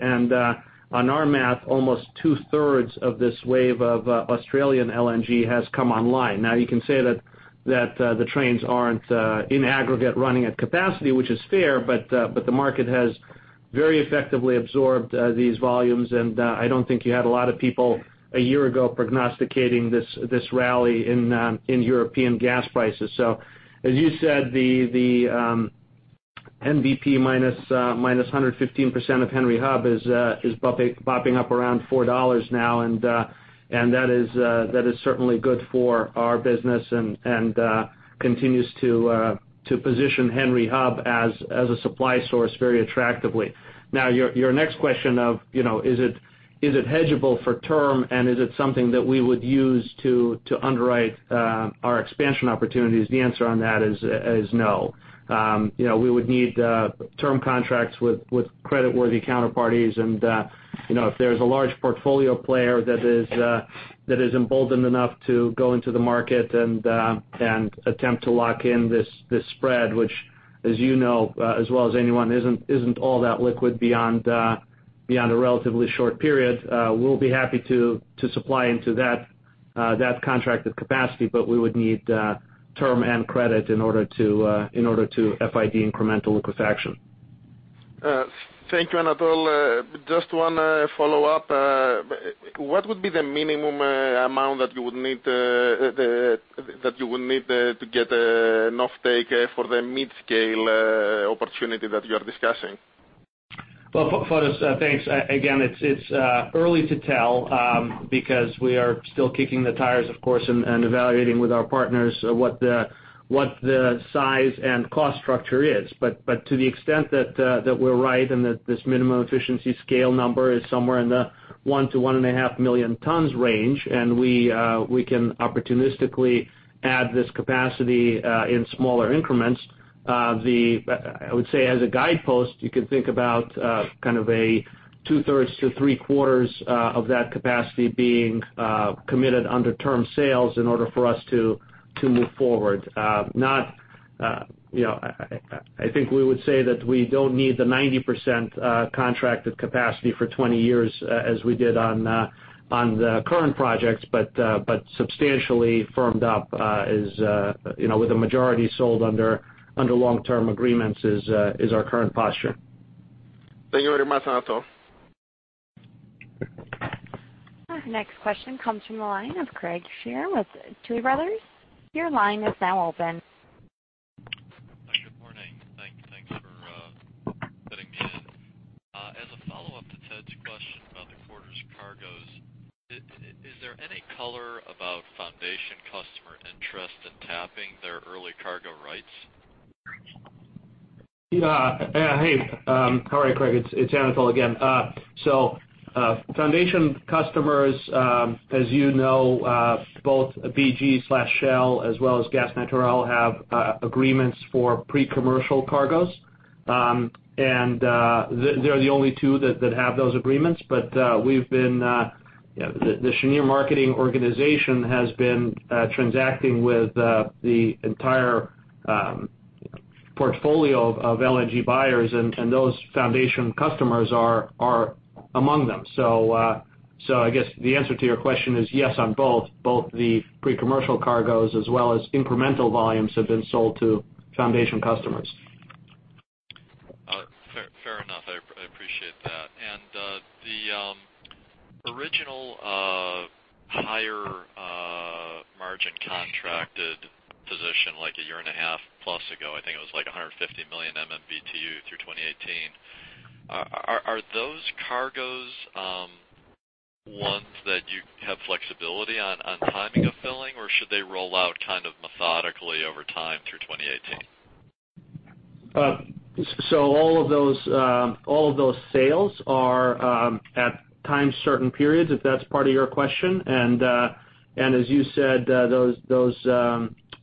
On our math, almost two-thirds of this wave of Australian LNG has come online. Now, you can say that the trains aren't in aggregate running at capacity, which is fair, but the market has very effectively absorbed these volumes. I don't think you had a lot of people a year ago prognosticating this rally in European gas prices. As you said, the NBP minus 115% of Henry Hub is bopping up around $4 now, and that is certainly good for our business and continues to position Henry Hub as a supply source very attractively. Now, your next question of, is it hedgeable for term, and is it something that we would use to underwrite our expansion opportunities? The answer on that is no. We would need term contracts with creditworthy counterparties. If there's a large portfolio player that is emboldened enough to go into the market and attempt to lock in this spread, which as you know as well as anyone, isn't all that liquid beyond a relatively short period, we'll be happy to supply into that contracted capacity. We would need term and credit in order to FID incremental liquefaction. Thank you, Anatol. Just one follow-up. What would be the minimum amount that you would need to get an offtake for the mid-scale opportunity that you are discussing? Well, Fotis, thanks. Again, it's early to tell because we are still kicking the tires, of course, and evaluating with our partners what the size and cost structure is. To the extent that we're right and that this minimum efficiency scale number is somewhere in the 1 to 1.5 million tons range, and we can opportunistically add this capacity in smaller increments. I would say as a guidepost, you could think about a two-thirds to three-quarters of that capacity being committed under term sales in order for us to move forward. I think we would say that we don't need the 90% contracted capacity for 20 years as we did on the current projects, but substantially firmed up with a majority sold under long-term agreements is our current posture. Thank you very much, Anatol. Our next question comes from the line of Craig Shere with Tuohy Brothers. Your line is now open. Good morning. Thanks for letting me in. As a follow-up to Ted's question about the quarters cargoes, is there any color about foundation customer interest in tapping their early cargo rights? Hey, how are you, Craig? It's Anatol again. Foundation customers as you know, both BG/Shell as well as Gas Natural, have agreements for pre-commercial cargoes. They're the only two that have those agreements. The Cheniere Marketing organization has been transacting with the entire portfolio of LNG buyers, and those foundation customers are among them. I guess the answer to your question is yes on both. Both the pre-commercial cargoes as well as incremental volumes have been sold to foundation customers. That. The original higher margin contracted position a year and a half plus ago, I think it was 150 million MMBtu through 2018. Are those cargos ones that you have flexibility on timing of filling, or should they roll out methodically over time through 2018? all of those sales are at times certain periods, if that's part of your question. As you said,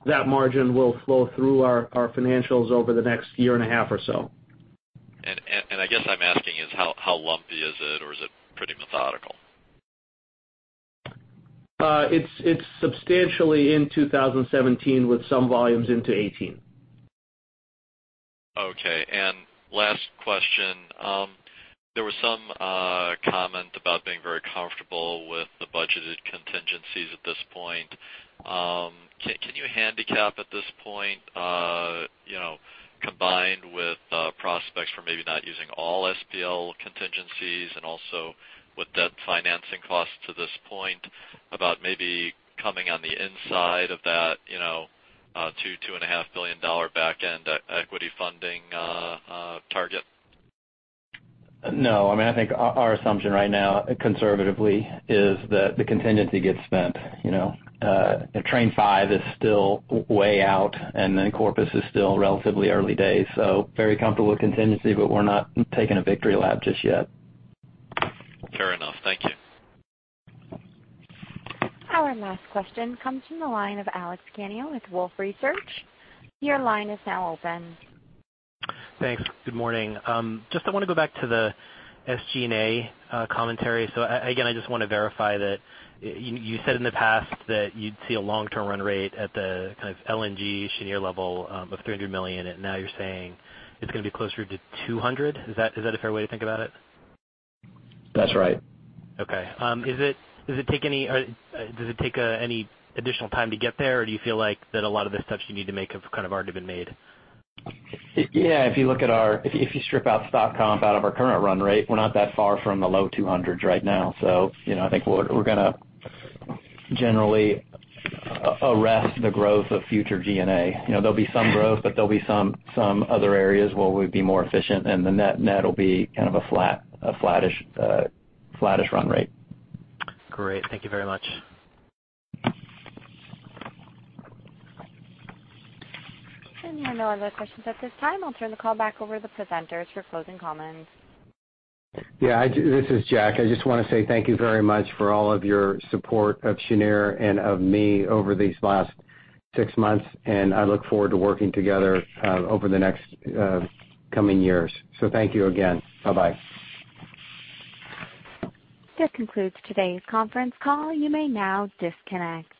that margin will flow through our financials over the next year and a half or so. I guess I'm asking is how lumpy is it or is it pretty methodical? It's substantially in 2017 with some volumes into 2018. Last question. There was some comment about being very comfortable with the budgeted contingencies at this point. Can you handicap at this point, combined with prospects for maybe not using all SPL contingencies and also with debt financing costs to this point about maybe coming on the inside of that $2 billion-$2.5 billion back end equity funding target? No. I think our assumption right now, conservatively, is that the contingency gets spent. Train 5 is still way out, and Corpus is still relatively early days. Very comfortable with contingency, but we're not taking a victory lap just yet. Fair enough. Thank you. Our last question comes from the line of Alex Kania with Wolfe Research. Your line is now open. Thanks. Good morning. Just I want to go back to the SG&A commentary. Again, I just want to verify that you said in the past that you'd see a long-term run rate at the kind of LNG Cheniere level of $300 million, and now you're saying it's going to be closer to $200 million. Is that a fair way to think about it? That's right. Okay. Does it take any additional time to get there, or do you feel like that a lot of the steps you need to make have already been made? Yeah, if you strip out stock comp out of our current run rate, we're not that far from the low 200s right now. I think we're going to generally arrest the growth of future G&A. There'll be some growth, but there'll be some other areas where we'll be more efficient, and the net will be kind of a flattish run rate. Great. Thank you very much. No other questions at this time. I'll turn the call back over to presenters for closing comments. Yeah. This is Jack. I just want to say thank you very much for all of your support of Cheniere and of me over these last six months, and I look forward to working together over the next coming years. Thank you again. Bye-bye. This concludes today's conference call. You may now disconnect.